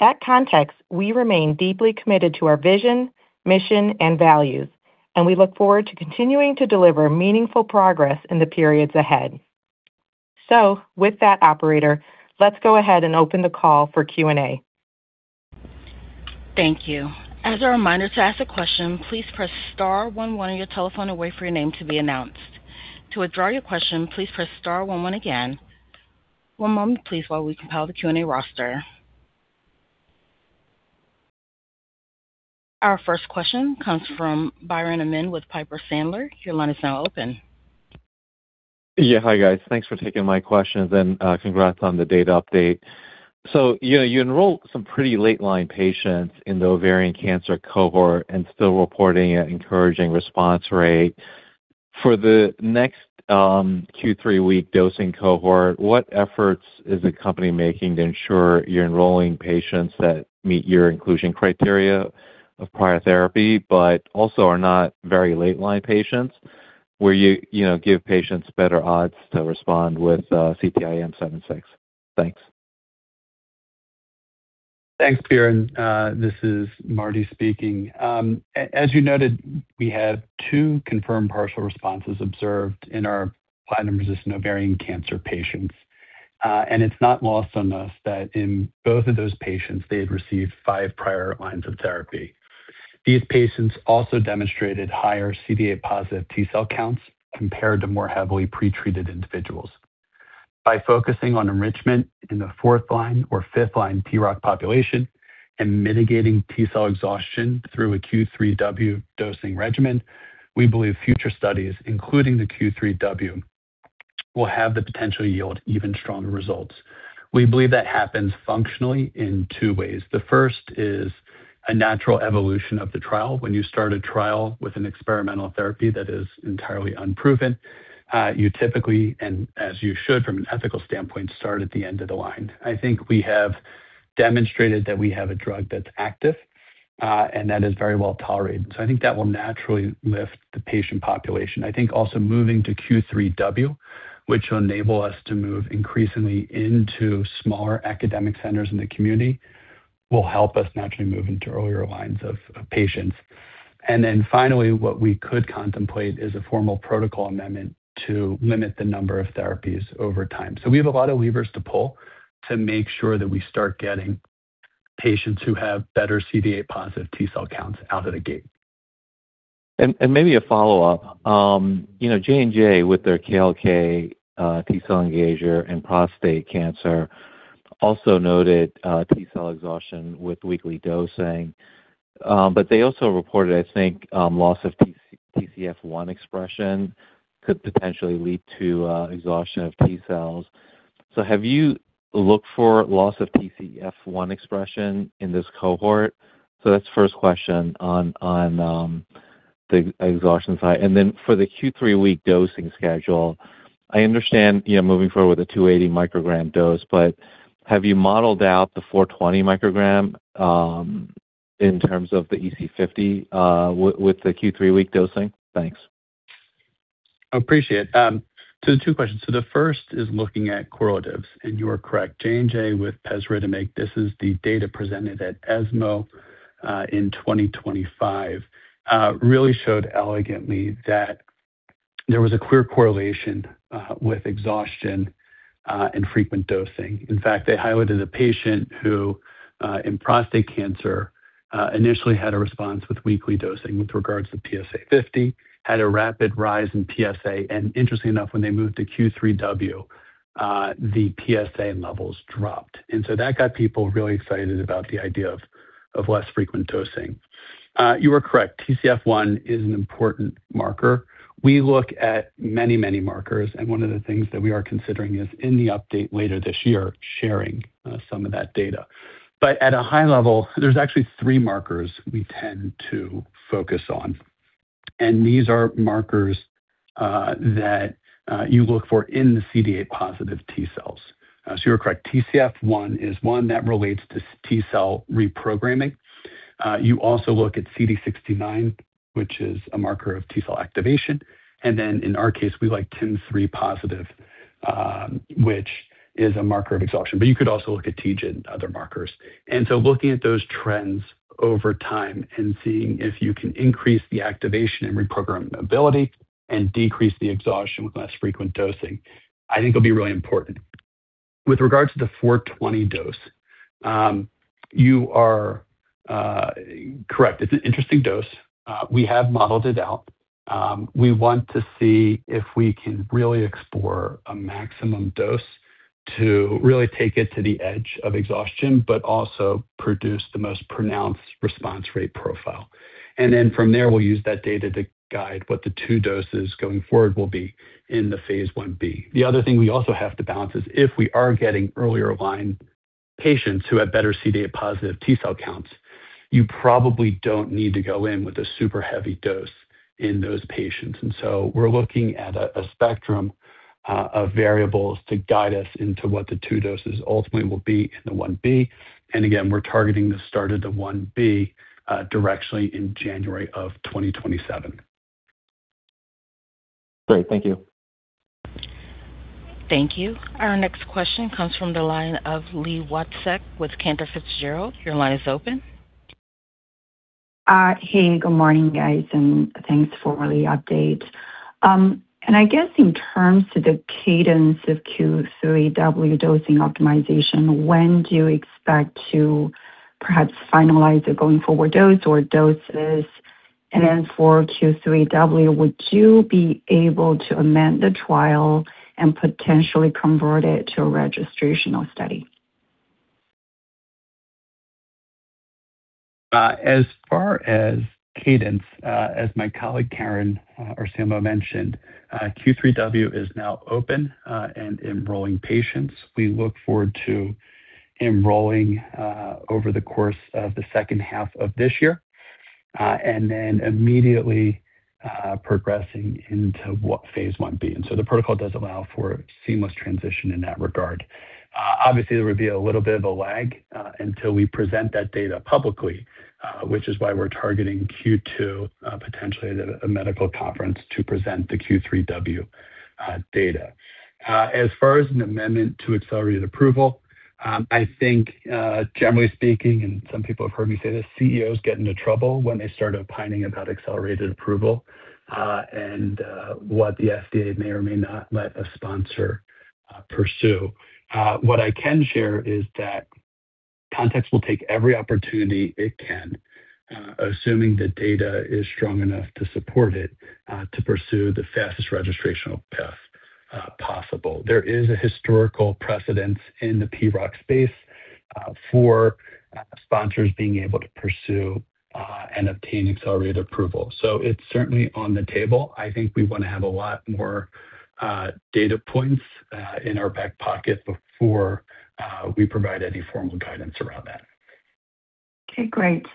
At Context, we remain deeply committed to our vision, mission, and values, and we look forward to continuing to deliver meaningful progress in the periods ahead. With that, operator, let's go ahead and open the call for Q&A. Thank you. As a reminder, to ask a question, please press star one one on your telephone and wait for your name to be announced. To withdraw your question, please press star one one again. One moment please, while we compile the Q&A roster. Our first question comes from Biren Amin with Piper Sandler. Your line is now open. Hi, guys. Thanks for taking my questions and congrats on the data update. You enrolled some pretty late-line patients in the ovarian cancer cohort and still reporting an encouraging response rate. For the next Q3W dosing cohort, what efforts is the company making to ensure you're enrolling patients that meet your inclusion criteria of prior therapy but also are not very late-line patients where you give patients better odds to respond with CTIM-76? Thanks. Thanks, Biren. This is Marty speaking. As you noted, we had two confirmed partial responses observed in our platinum-resistant ovarian cancer patients. It's not lost on us that in both of those patients, they had received five prior lines of therapy. These patients also demonstrated higher CD8+ T cell counts compared to more heavily pretreated individuals. By focusing on enrichment in the fourth-line or fifth-line PROC population and mitigating T cell exhaustion through a Q3W dosing regimen, we believe future studies, including the Q3W, will have the potential to yield even stronger results. We believe that happens functionally in two ways. The first is a natural evolution of the trial. When you start a trial with an experimental therapy that is entirely unproven, you typically, and as you should from an ethical standpoint, start at the end of the line. I think we have demonstrated that we have a drug that's active and that is very well-tolerated. I think that will naturally lift the patient population. I think also moving to Q3W, which will enable us to move increasingly into smaller academic centers in the community, will help us naturally move into earlier lines of patients. Finally, what we could contemplate is a formal protocol amendment to limit the number of therapies over time. We have a lot of levers to pull to make sure that we start getting patients who have better CD8+ T cell counts out of the gate. Maybe a follow-up. J&J, with their KLK T cell engager in prostate cancer, also noted T cell exhaustion with weekly dosing, but they also reported, I think, loss of TCF1 expression could potentially lead to exhaustion of T cells. Have you looked for loss of TCF1 expression in this cohort? That's the first question on the exhaustion side. For the Q3-week dosing schedule, I understand, moving forward with a 280 µg dose, have you modeled out the 420 µg, in terms of the EC50, with the Q3-week dosing? Thanks. Appreciate it. Two questions. The first is looking at correlatives, and you are correct. J&J with pasritamig, this is the data presented at ESMO in 2025, really showed elegantly that there was a clear correlation with exhaustion and frequent dosing. In fact, they highlighted a patient who, in prostate cancer, initially had a response with weekly dosing with regards to PSA 50, had a rapid rise in PSA, and interestingly enough, when they moved to Q3W, the PSA levels dropped. That got people really excited about the idea of less frequent dosing. You are correct, TCF1 is an important marker. We look at many markers, and one of the things that we are considering is in the update later this year, sharing some of that data. At a high level, there's actually three markers we tend to focus on, and these are markers that you look for in the CD8+ T cells. You're correct, TCF1 is one that relates to T cell reprogramming. You also look at CD69, which is a marker of T cell activation. In our case, we like TIM-3 positive, which is a marker of exhaustion. You could also look at Tg and other markers. Looking at those trends over time and seeing if you can increase the activation and reprogram ability and decrease the exhaustion with less frequent dosing, I think will be really important. With regards to the 420 µg dose, you are correct. It's an interesting dose. We have modeled it out. We want to see if we can really explore a maximum dose to really take it to the edge of exhaustion but also produce the most pronounced response rate profile. From there, we'll use that data to guide what the two doses going forward will be in the phase I-B. The other thing we also have to balance is if we are getting earlier line patients who have better CD8+ T cell counts, you probably don't need to go in with a super heavy dose in those patients. We're looking at a spectrum of variables to guide us into what the two doses ultimately will be in the phase I-B. Again, we're targeting the start of the phase I-B directly in January 2027. Great. Thank you. Thank you. Our next question comes from the line of Li Watsek with Cantor Fitzgerald. Your line is open. Hey, good morning, guys. Thanks for the update. I guess in terms of the cadence of Q3W dosing optimization, when do you expect to perhaps finalize a going forward dose or doses? For Q3W, would you be able to amend the trial and potentially convert it to a registrational study? As far as cadence, as my colleague, Karen mentioned, Q3w is now open and enrolling patients. We look forward to enrolling over the course of the second half of this year, then immediately progressing into what phase I-B. The protocol does allow for seamless transition in that regard. Obviously, there will be a little bit of a lag until we present that data publicly, which is why we're targeting Q2, potentially at a medical conference, to present the Q3w data. As far as an amendment to accelerated approval, I think, generally speaking, and some people have heard me say this, CEO get into trouble when they start opining about accelerated approval, and what the FDA may or may not let a sponsor pursue. What I can share is that Context will take every opportunity it can, assuming the data is strong enough to support it, to pursue the fastest registrational path possible. There is a historical precedence in the PROC space for sponsors being able to pursue and obtain accelerated approval. It's certainly on the table. I think we want to have a lot more data points in our back pocket before we provide any formal guidance around that. Okay, great.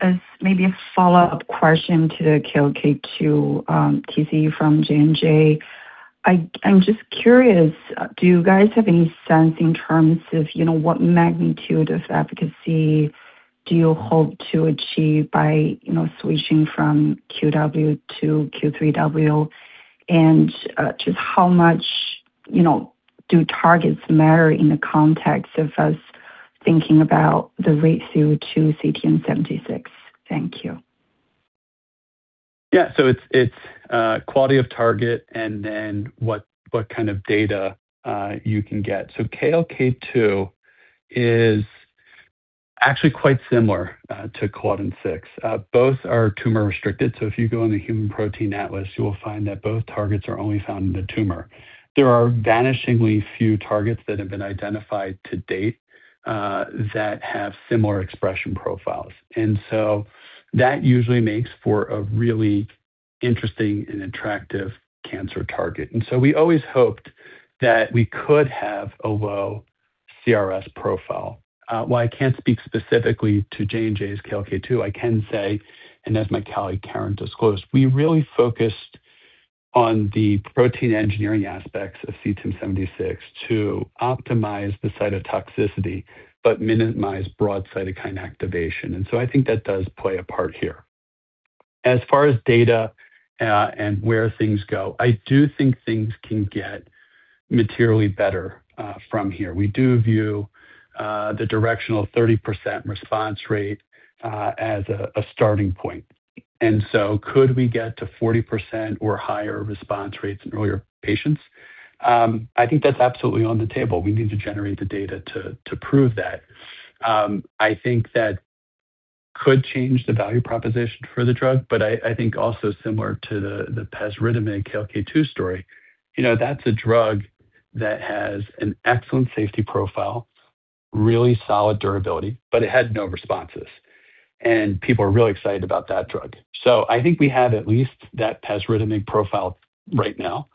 As maybe a follow-up question to the KLK2 TCE from J&J, I'm just curious, do you guys have any sense in terms of what magnitude of efficacy do you hope to achieve by switching from QW to Q3w? Just how much do targets matter in the context of us thinking about the ratio to CTIM-76? Thank you. Yeah. It's quality of target and then what kind of data you can get. KLK2 is actually quite similar to Claudin 6. Both are tumor-restricted, if you go on the Human Protein Atlas, you will find that both targets are only found in the tumor. There are vanishingly few targets that have been identified to date, that have similar expression profiles. That usually makes for a really interesting and attractive cancer target. We always hoped that we could have OVO- CRS profile. While I can't speak specifically to J&J's KLK2, I can say, as my colleague Karen disclosed, we really focused on the protein engineering aspects of CTIM-76 to optimize the cytotoxicity but minimize broad cytokine activation. I think that does play a part here. As far as data and where things go, I do think things can get materially better from here. We do view the directional 30% response rate as a starting point. Could we get to 40% or higher response rates in earlier patients? I think that's absolutely on the table. We need to generate the data to prove that. I think that could change the value proposition for the drug. I think also similar to the pasritamig KLK2 story, that's a drug that has an excellent safety profile, really solid durability, but it had no responses, and people are really excited about that drug. I think we have at least that pasritamig profile right now.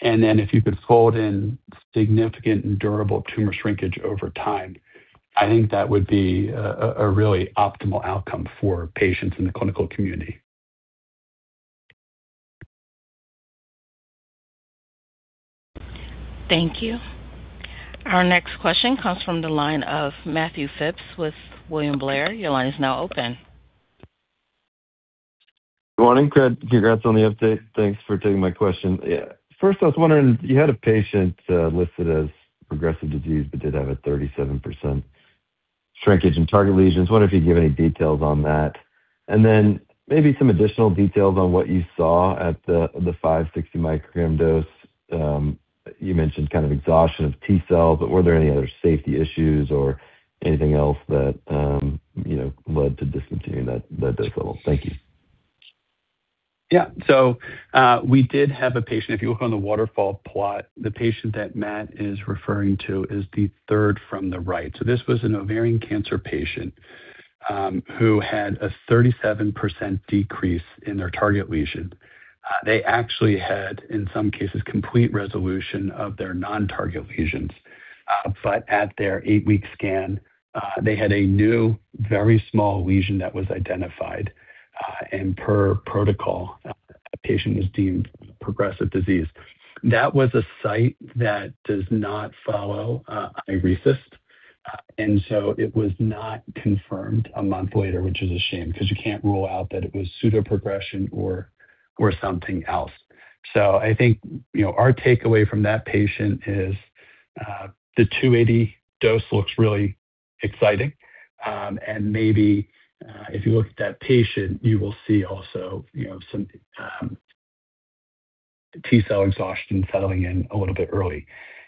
If you could fold in significant and durable tumor shrinkage over time, I think that would be a really optimal outcome for patients in the clinical community. Thank you. Our next question comes from the line of Matthew Phipps with William Blair. Your line is now open. Good morning. Congrats on the update. Thanks for taking my question. First, I was wondering, you had a patient listed as progressive disease but did have a 37% shrinkage in target lesions. Wonder if you'd give any details on that, and then maybe some additional details on what you saw at the 560 µg dose. You mentioned kind of exhaustion of T cells, but were there any other safety issues or anything else that led to discontinuing that dose level? Thank you. Yeah. We did have a patient, if you look on the waterfall plot, the patient that Matt is referring to is the third from the right. This was an ovarian cancer patient who had a 37% decrease in their target lesion. They actually had, in some cases, complete resolution of their non-target lesions. But at their eight-week scan, they had a new, very small lesion that was identified, and per protocol, the patient was deemed progressive disease. That was a site that does not follow iRECIST, it was not confirmed a month later, which is a shame because you can't rule out that it was pseudoprogression or something else. I think our takeaway from that patient is the 280 µg dose looks really exciting. Maybe if you look at that patient, you will see also some T cell exhaustion settling in a little bit early.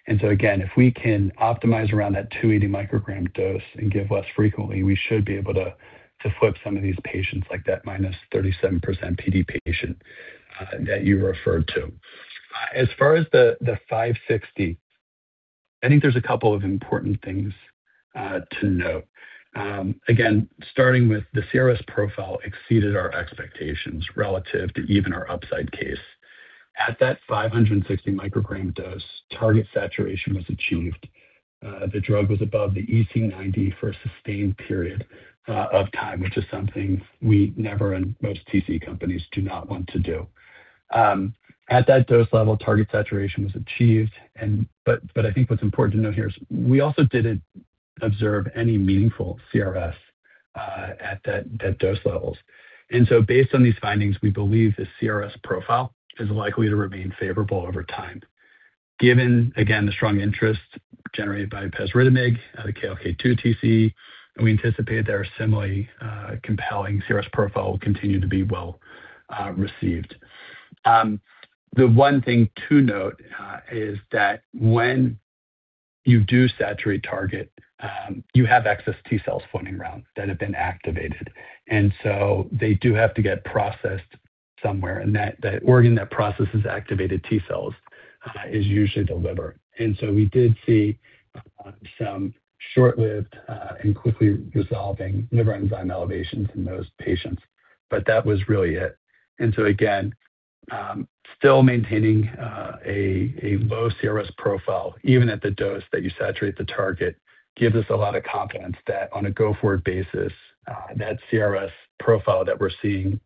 Again, if we can optimize around that 280 µg dose and give less frequently, we should be able to flip some of these patients like that -37% PD patient that you referred to. As far as the 560 µg, I think there's a couple of important things to note. Again, starting with the CRS profile exceeded our expectations relative to even our upside case. At that 560 µg dose, target saturation was achieved. The drug was above the EC90 for a sustained period of time, which is something we never, and most TC companies do not want to do. At that dose level, target saturation was achieved. I think what's important to note here is we also didn't observe any meaningful CRS at that dose levels. Based on these findings, we believe the CRS profile is likely to remain favorable over time. Given, again, the strong interest generated by pasritamig, the KLK2 TC, we anticipate their similarly compelling CRS profile will continue to be well received. The one thing to note is that when you do saturate target, you have excess T cells floating around that have been activated, so they do have to get processed somewhere, and that organ that processes activated T cells is usually the liver. We did see some short-lived and quickly resolving liver enzyme elevations in those patients. That was really it. Again, still maintaining a low CRS profile, even at the dose that you saturate the target, gives us a lot of confidence that on a go-forward basis, that CRS profile that we're seeing.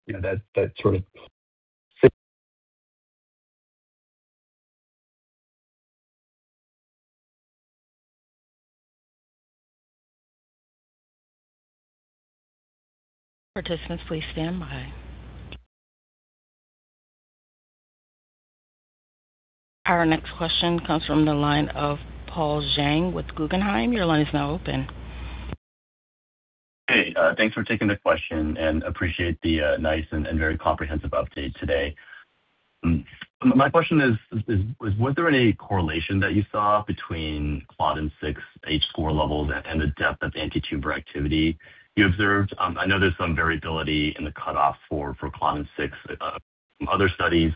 Participants, please stand by. Our next question comes from the line of Paul Jeng with Guggenheim. Your line is now open. Hey, thanks for taking the question and I appreciate the nice and very comprehensive update today. My question is, was there any correlation that you saw between Claudin 6 H-score levels and the depth of antitumor activity you observed? I know there's some variability in the cutoff for Claudin 6 from other studies.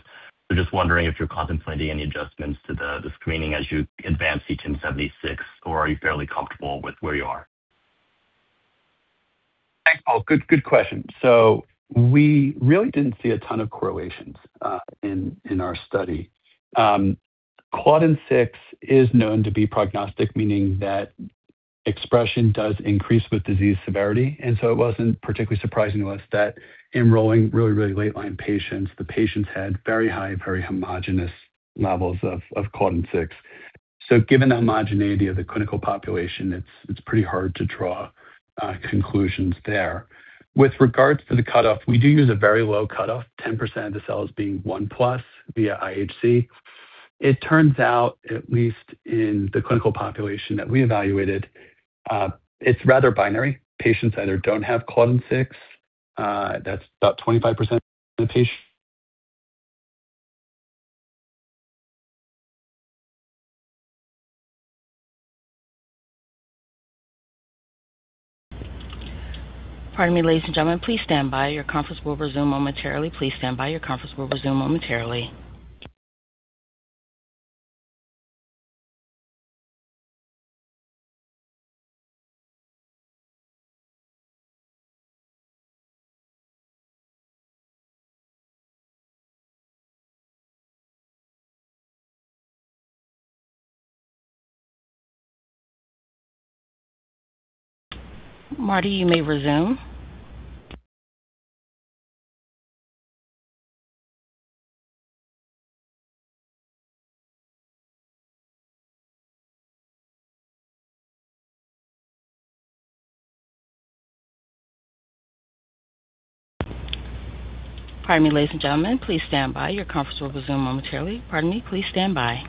Just wondering if you're contemplating any adjustments to the screening as you advance CTIM-76, or are you fairly comfortable with where you are? Thanks, Paul. Good question. We really didn't see a ton of correlations in our study. Claudin 6 is known to be prognostic, meaning that expression does increase with disease severity. It wasn't particularly surprising to us that enrolling really late-line patients, the patients had very high, very homogenous levels of Claudin 6. Given the homogeneity of the clinical population, it's pretty hard to draw conclusions there. With regards to the cutoff, we do use a very low cutoff, 10% of the cells being 1+ via IHC. It turns out, at least in the clinical population that we evaluated, it's rather binary. Patients either don't have Claudin 6, that's about 25% of the patient- Pardon me, ladies and gentlemen, please stand by. Your conference will resume momentarily. Please stand by. Your conference will resume momentarily. Marty, you may resume. Pardon me, ladies and gentlemen. Please stand by. Your conference will resume momentarily. Pardon me. Please stand by.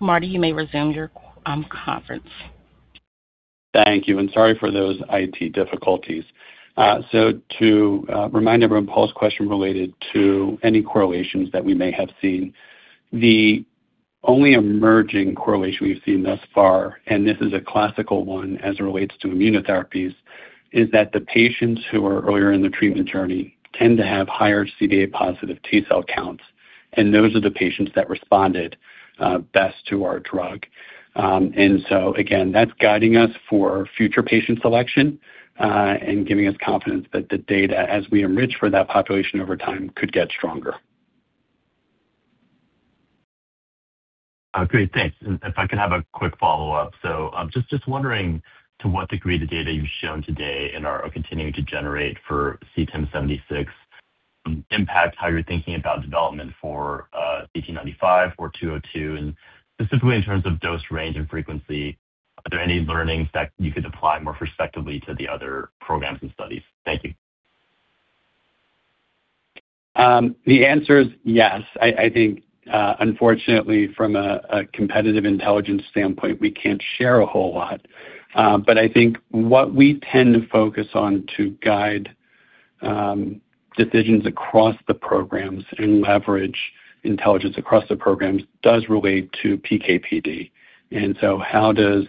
Marty, you may resume your conference. Thank you. Sorry for those IT difficulties. To remind everyone, Paul's question related to any correlations that we may have seen. The only emerging correlation we've seen thus far, this is a classical one as it relates to immunotherapies, is that the patients who are earlier in the treatment journey tend to have higher CD8+ T cell counts. Those are the patients that responded best to our drug. Again, that's guiding us for future patient selection, giving us confidence that the data, as we enrich for that population over time, could get stronger. Great. Thanks. If I could have a quick follow-up. Just wondering to what degree the data you've shown today and are continuing to generate for CTIM-76 impacts how you're thinking about development for CT-95 or CT-202, specifically in terms of dose range and frequency. Are there any learnings that you could apply more respectively to the other programs and studies? Thank you. The answer is yes. I think, unfortunately, from a competitive intelligence standpoint, we can't share a whole lot. I think what we tend to focus on to guide decisions across the programs and leverage intelligence across the programs does relate to PK/PD. How does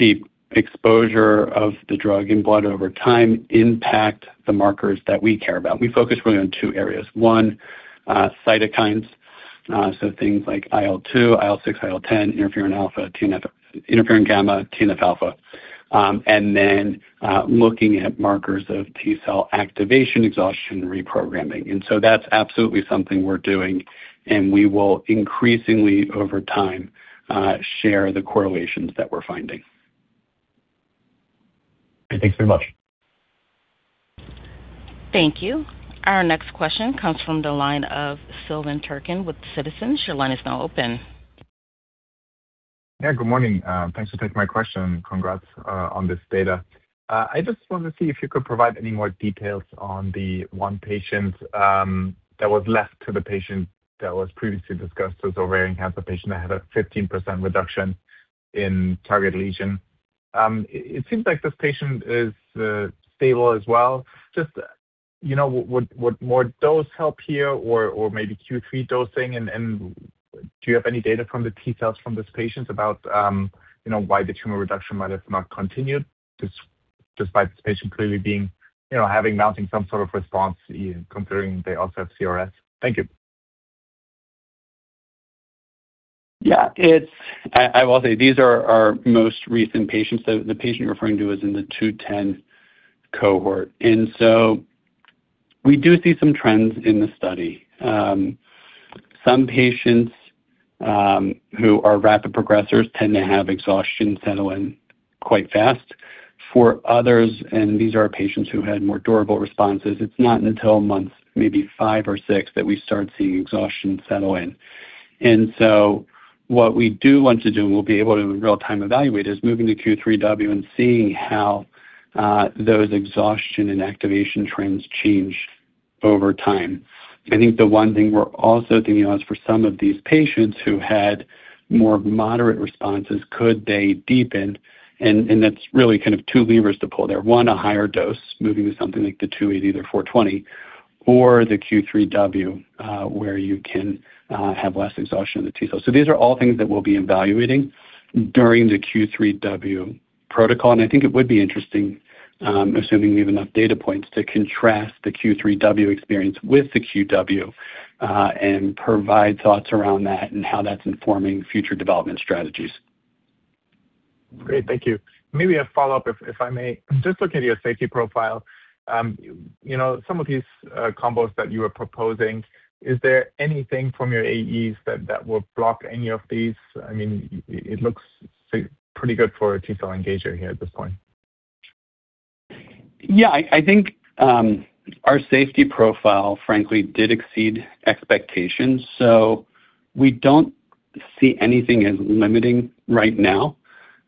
the exposure of the drug in blood over time impact the markers that we care about? We focus really on two areas. One, cytokines, so things like IL-2, IL-6, IL-10, interferon alpha, interferon gamma, TNF alpha. Looking at markers of T cell activation, exhaustion, and reprogramming. That's absolutely something we're doing, and we will increasingly over time, share the correlations that we're finding. Okay. Thanks very much. Thank you. Our next question comes from the line of Silvan Türkcan with Citizens. Your line is now open. Good morning. Thanks for taking my question. Congrats on this data. I just want to see if you could provide any more details on the one patient that was left to the patient that was previously discussed with ovarian cancer patient that had a 15% reduction in target lesion. It seems like this patient is stable as well. Just would more dose help here or maybe Q3 dosing? Do you have any data from the T cells from this patient about why the tumor reduction might have not continued, despite this patient clearly having mounting some sort of response, considering they also have CRS? Thank you. Yeah. I will say these are our most recent patients. The patient you're referring to is in the 210 cohort. We do see some trends in the study. Some patients who are rapid progressors tend to have exhaustion settle in quite fast. For others, and these are patients who had more durable responses, it's not until months, maybe five or six, that we start seeing exhaustion settle in. What we do want to do, and we'll be able to in real time evaluate, is moving to Q3W and seeing how those exhaustion and activation trends change over time. I think the one thing we're also thinking of is for some of these patients who had more moderate responses, could they deepen? That's really kind of two levers to pull there. One, a higher dose, moving to something like the 28, either 420, or the Q3W, where you can have less exhaustion of the T cells. These are all things that we'll be evaluating during the Q3W protocol. I think it would be interesting, assuming we have enough data points to contrast the Q3W experience with the QW, provide thoughts around that, and how that's informing future development strategies. Great. Thank you. Maybe a follow-up, if I may. Just looking at your safety profile, some of these combos that you are proposing, is there anything from your TAEs that would block any of these? It looks pretty good for a T cell engager here at this point. I think our safety profile, frankly, did exceed expectations, we don't see anything as limiting right now.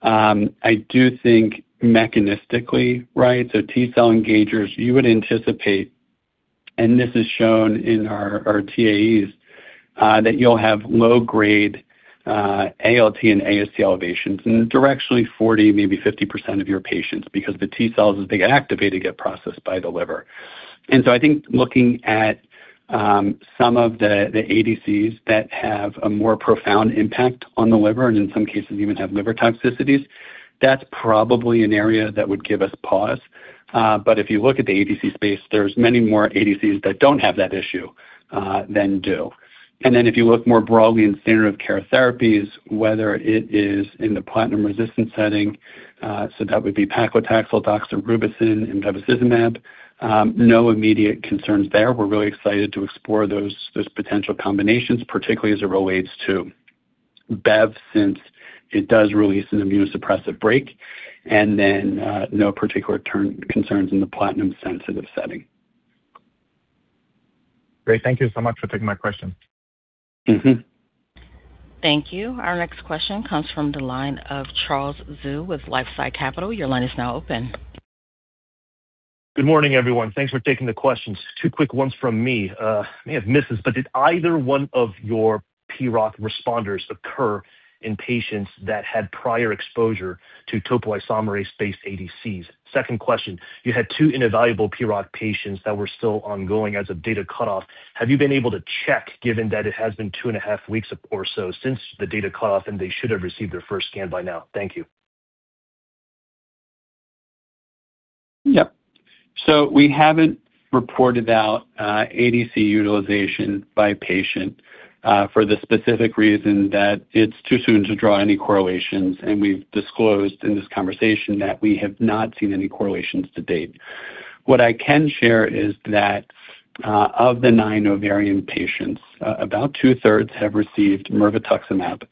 I do think mechanistically, right, T cell engagers, you would anticipate, and this is shown in our TAEs, that you'll have low-grade ALT and AST elevations in directionally 40%, maybe 50% of your patients, because the T cells, as they get activated, get processed by the liver. I think looking at some of the ADCs that have a more profound impact on the liver, and in some cases even have liver toxicities, that's probably an area that would give us pause. If you look at the ADC space, there's many more ADCs that don't have that issue, than do. If you look more broadly in standard of care therapies, whether it is in the platinum resistant setting, that would be paclitaxel, doxorubicin, and bevacizumab, no immediate concerns there. We're really excited to explore those potential combinations, particularly as it relates to bevacizumab, since it does release an immunosuppressive break. No particular concerns in the platinum sensitive setting. Great. Thank you so much for taking my question. Thank you. Our next question comes from the line of Charles Zhu with LifeSci Capital. Your line is now open. Good morning, everyone. Thanks for taking the questions. Two quick ones from me. May have missed this, but did either one of your PROC responders occur in patients that had prior exposure to topoisomerase-based ADCs? Second question, you had two invaluable PROT patients that were still ongoing as of data cutoff. Have you been able to check, given that it has been two and a half weeks or so since the data cutoff and they should have received their first scan by now? Thank you. Yep. We haven't reported out ADC utilization by patient, for the specific reason that it's too soon to draw any correlations, and we've disclosed in this conversation that we have not seen any correlations to date. What I can share is that, of the nine ovarian patients, about 2/3 have received mirvetuximab.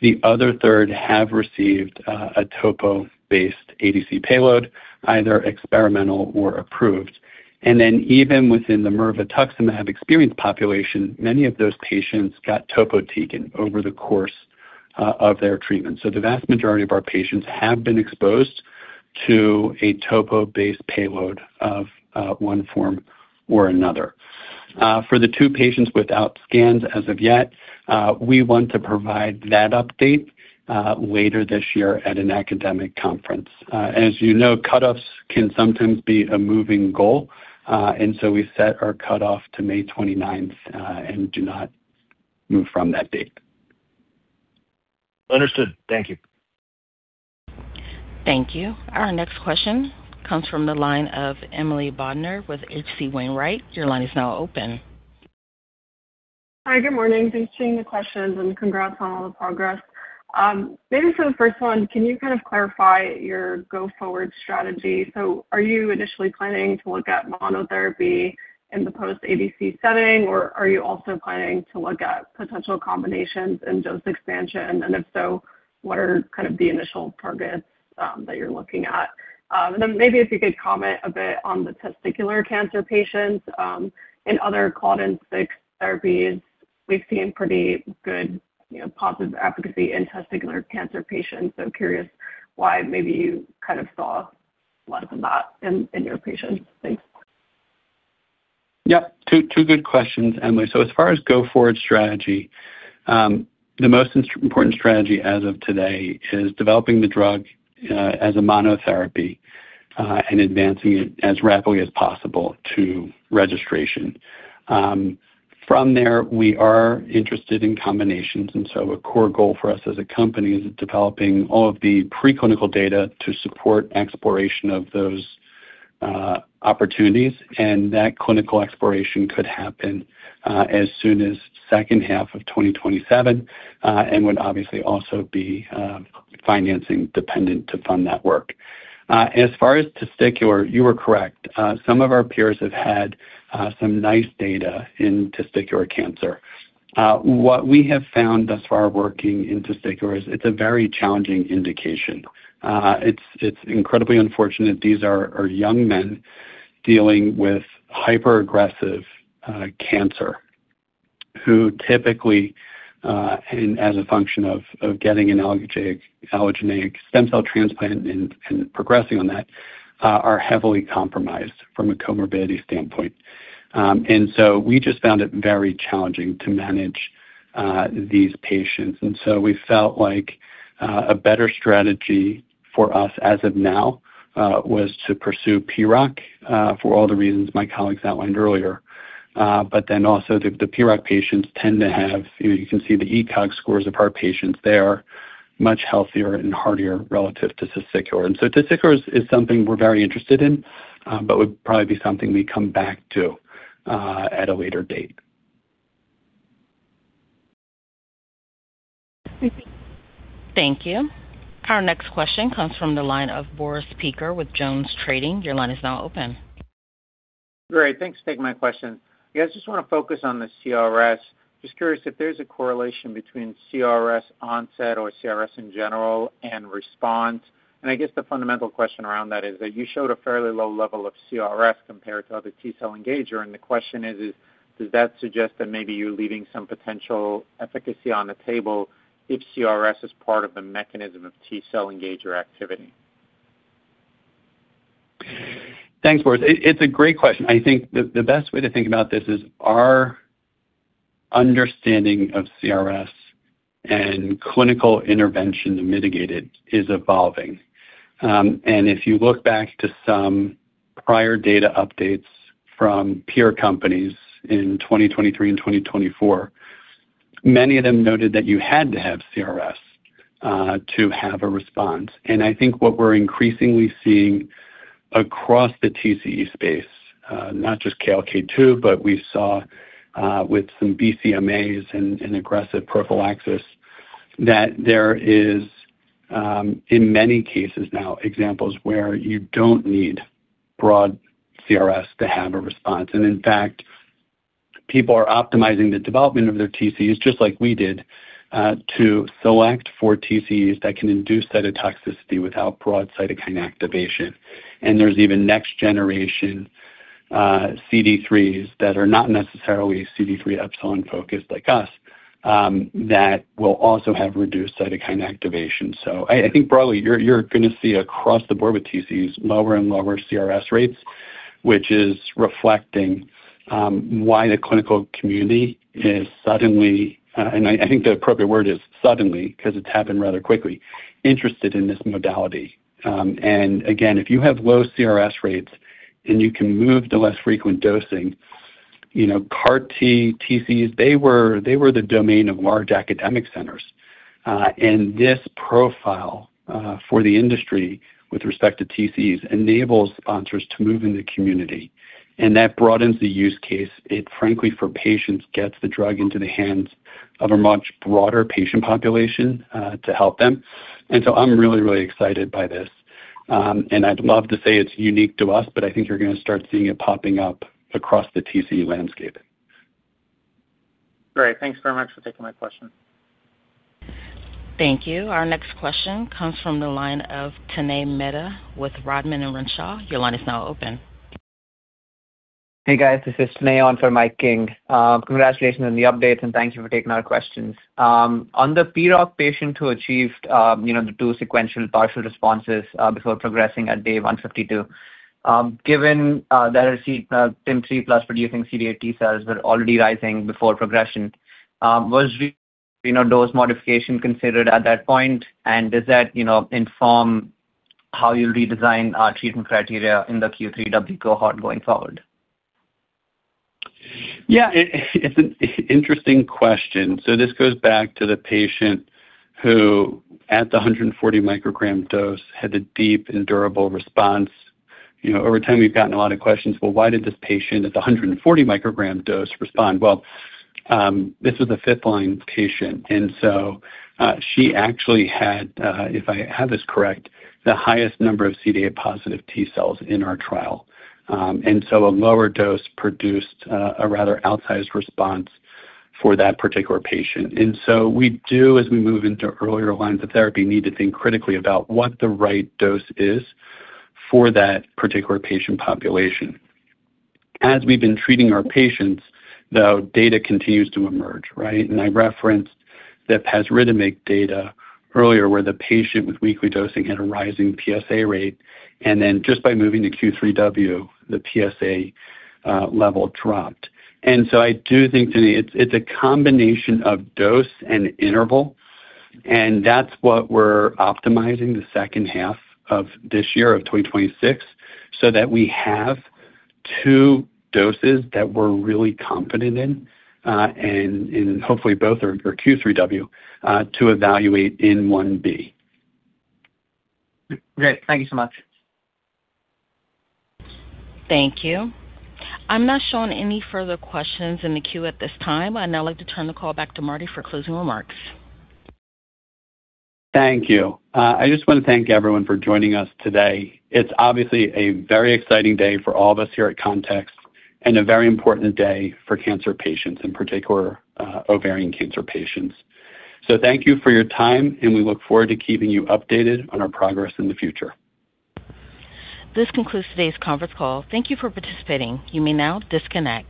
The other 1/3 have received a topo-based ADC payload, either experimental or approved. Even within the mirvetuximab-experienced population, many of those patients got topotecan over the course of their treatment. The vast majority of our patients have been exposed to a topo-based payload of one form or another. For the two patients without scans as of yet, we want to provide that update later this year at an academic conference. As you know, cutoffs can sometimes be a moving goal. We set our cutoff to May 29th, do not move from that date. Understood. Thank you. Thank you. Our next question comes from the line of Emily Bodnar with H.C. Wainwright. Your line is now open. Hi, good morning. Thanks for taking the questions, congrats on all the progress. Maybe for the first one, can you kind of clarify your go-forward strategy? Are you initially planning to look at monotherapy in the post-ADC setting, or are you also planning to look at potential combinations in dose expansion? If so, what are kind of the initial targets that you're looking at? Maybe if you could comment a bit on the testicular cancer patients. In other Claudin 6 therapies, we've seen pretty good positive efficacy in testicular cancer patients. Curious why maybe you kind of saw less of that in your patients. Thanks. Yep. Two good questions, Emily. As far as a go-forward strategy, the most important strategy as of today is developing the drug as a monotherapy and advancing it as rapidly as possible to registration. From there, we are interested in combinations, a core goal for us as a company is developing all of the preclinical data to support exploration of those opportunities. That clinical exploration could happen as soon as the second half of 2027 and would obviously also be financing-dependent to fund that work. As far as testicular, you are correct. Some of our peers have had some nice data in testicular cancer. What we have found thus far working in testicular is it's a very challenging indication. It's incredibly unfortunate. These are young men dealing with hyper-aggressive cancer, who typically, as a function of getting an allogeneic stem cell transplant and progressing on that, are heavily compromised from a comorbidity standpoint. We just found it very challenging to manage these patients. We felt like a better strategy for us as of now was to pursue PROC for all the reasons my colleagues outlined earlier. Also, the PROC patients tend to have, you can see the ECOG scores of our patients there, much healthier and heartier relative to the testicular. Testicular is something we're very interested in but would probably be something we come back to at a later date. Thank you. Our next question comes from the line of Boris Peaker with JonesTrading. Your line is now open. Great. Thanks for taking my question. I just want to focus on the CRS. Just curious if there's a correlation between CRS onset or CRS in general and response. I guess the fundamental question around that is that you showed a fairly low level of CRS compared to other T cell engager. The question is, does that suggest that maybe you're leaving some potential efficacy on the table if CRS is part of the mechanism of T cell engager activity? Thanks, Boris. It's a great question. I think the best way to think about this is our understanding of CRS and clinical intervention to mitigate it is evolving. If you look back to some prior data updates from peer companies in 2023 and 2024, many of them noted that you had to have CRS to have a response. I think what we're increasingly seeing across the TCE space, not just KLK2, but we saw with some BCMAs and aggressive prophylaxis, that there is, in many cases now, examples where you don't need broad CRS to have a response. In fact, people are optimizing the development of their TCEs, just like we did, to select for TCEs that can induce cytotoxicity without broad cytokine activation. There's even next-generation CD3s that are not necessarily CD3 epsilon-focused like us, that will also have reduced cytokine activation. I think broadly, you're going to see across the board with TCEs, lower and lower CRS rates, which is reflecting why the clinical community is suddenly, I think the appropriate word is suddenly, because it's happened rather quickly, interested in this modality. Again, if you have low CRS rates and you can move to less frequent dosing, CAR T, TCEs, they were the domain of large academic centers. This profile for the industry with respect to TCEs enables sponsors to move in the community, that broadens the use case. It frankly, for patients, gets the drug into the hands of a much broader patient population to help them. I'm really, really excited by this. I'd love to say it's unique to us, but I think you're going to start seeing it popping up across the TCE landscape. Great. Thanks very much for taking my question. Thank you. Our next question comes from the line of Tanay Mehta with Rodman & Renshaw. Your line is now open. Hey, guys. This is Tanay on for Mike King. Congratulations on the updates. Thank you for taking our questions. On the PROC patient who achieved the two sequential partial responses before progressing at day 152, given that her TIM-3+ producing CD8 T cells were already rising before progression, was dose modification considered at that point, and does that inform how you'll redesign treatment criteria in the Q3w cohort going forward? Yeah, it's an interesting question. This goes back to the patient who, at the 140 µg dose, had a deep and durable response. Over time, we've gotten a lot of questions. Why did this patient at the 140 µg dose respond? This was a fifth-line patient. She actually had, if I have this correct, the highest number of CD8+ T cells in our trial. A lower dose produced a rather outsized response for that particular patient. We do, as we move into earlier lines of therapy, need to think critically about what the right dose is for that particular patient population. As we've been treating our patients, though, data continues to emerge, right? I referenced the pasritamig data earlier, where the patient with weekly dosing had a rising PSA rate, and then just by moving to Q3W, the PSA level dropped. I do think today it's a combination of dose and interval, and that's what we're optimizing the second half of this year, of 2026, so that we have two doses that we're really confident in. Hopefully, both are Q3W to evaluate in phase I-B. Great. Thank you so much. Thank you. I'm not showing any further questions in the queue at this time. I'd now like to turn the call back to Marty for closing remarks. Thank you. I just want to thank everyone for joining us today. It's obviously a very exciting day for all of us here at Context and a very important day for cancer patients, in particular, ovarian cancer patients. Thank you for your time, and we look forward to keeping you updated on our progress in the future. This concludes today's conference call. Thank you for participating. You may now disconnect.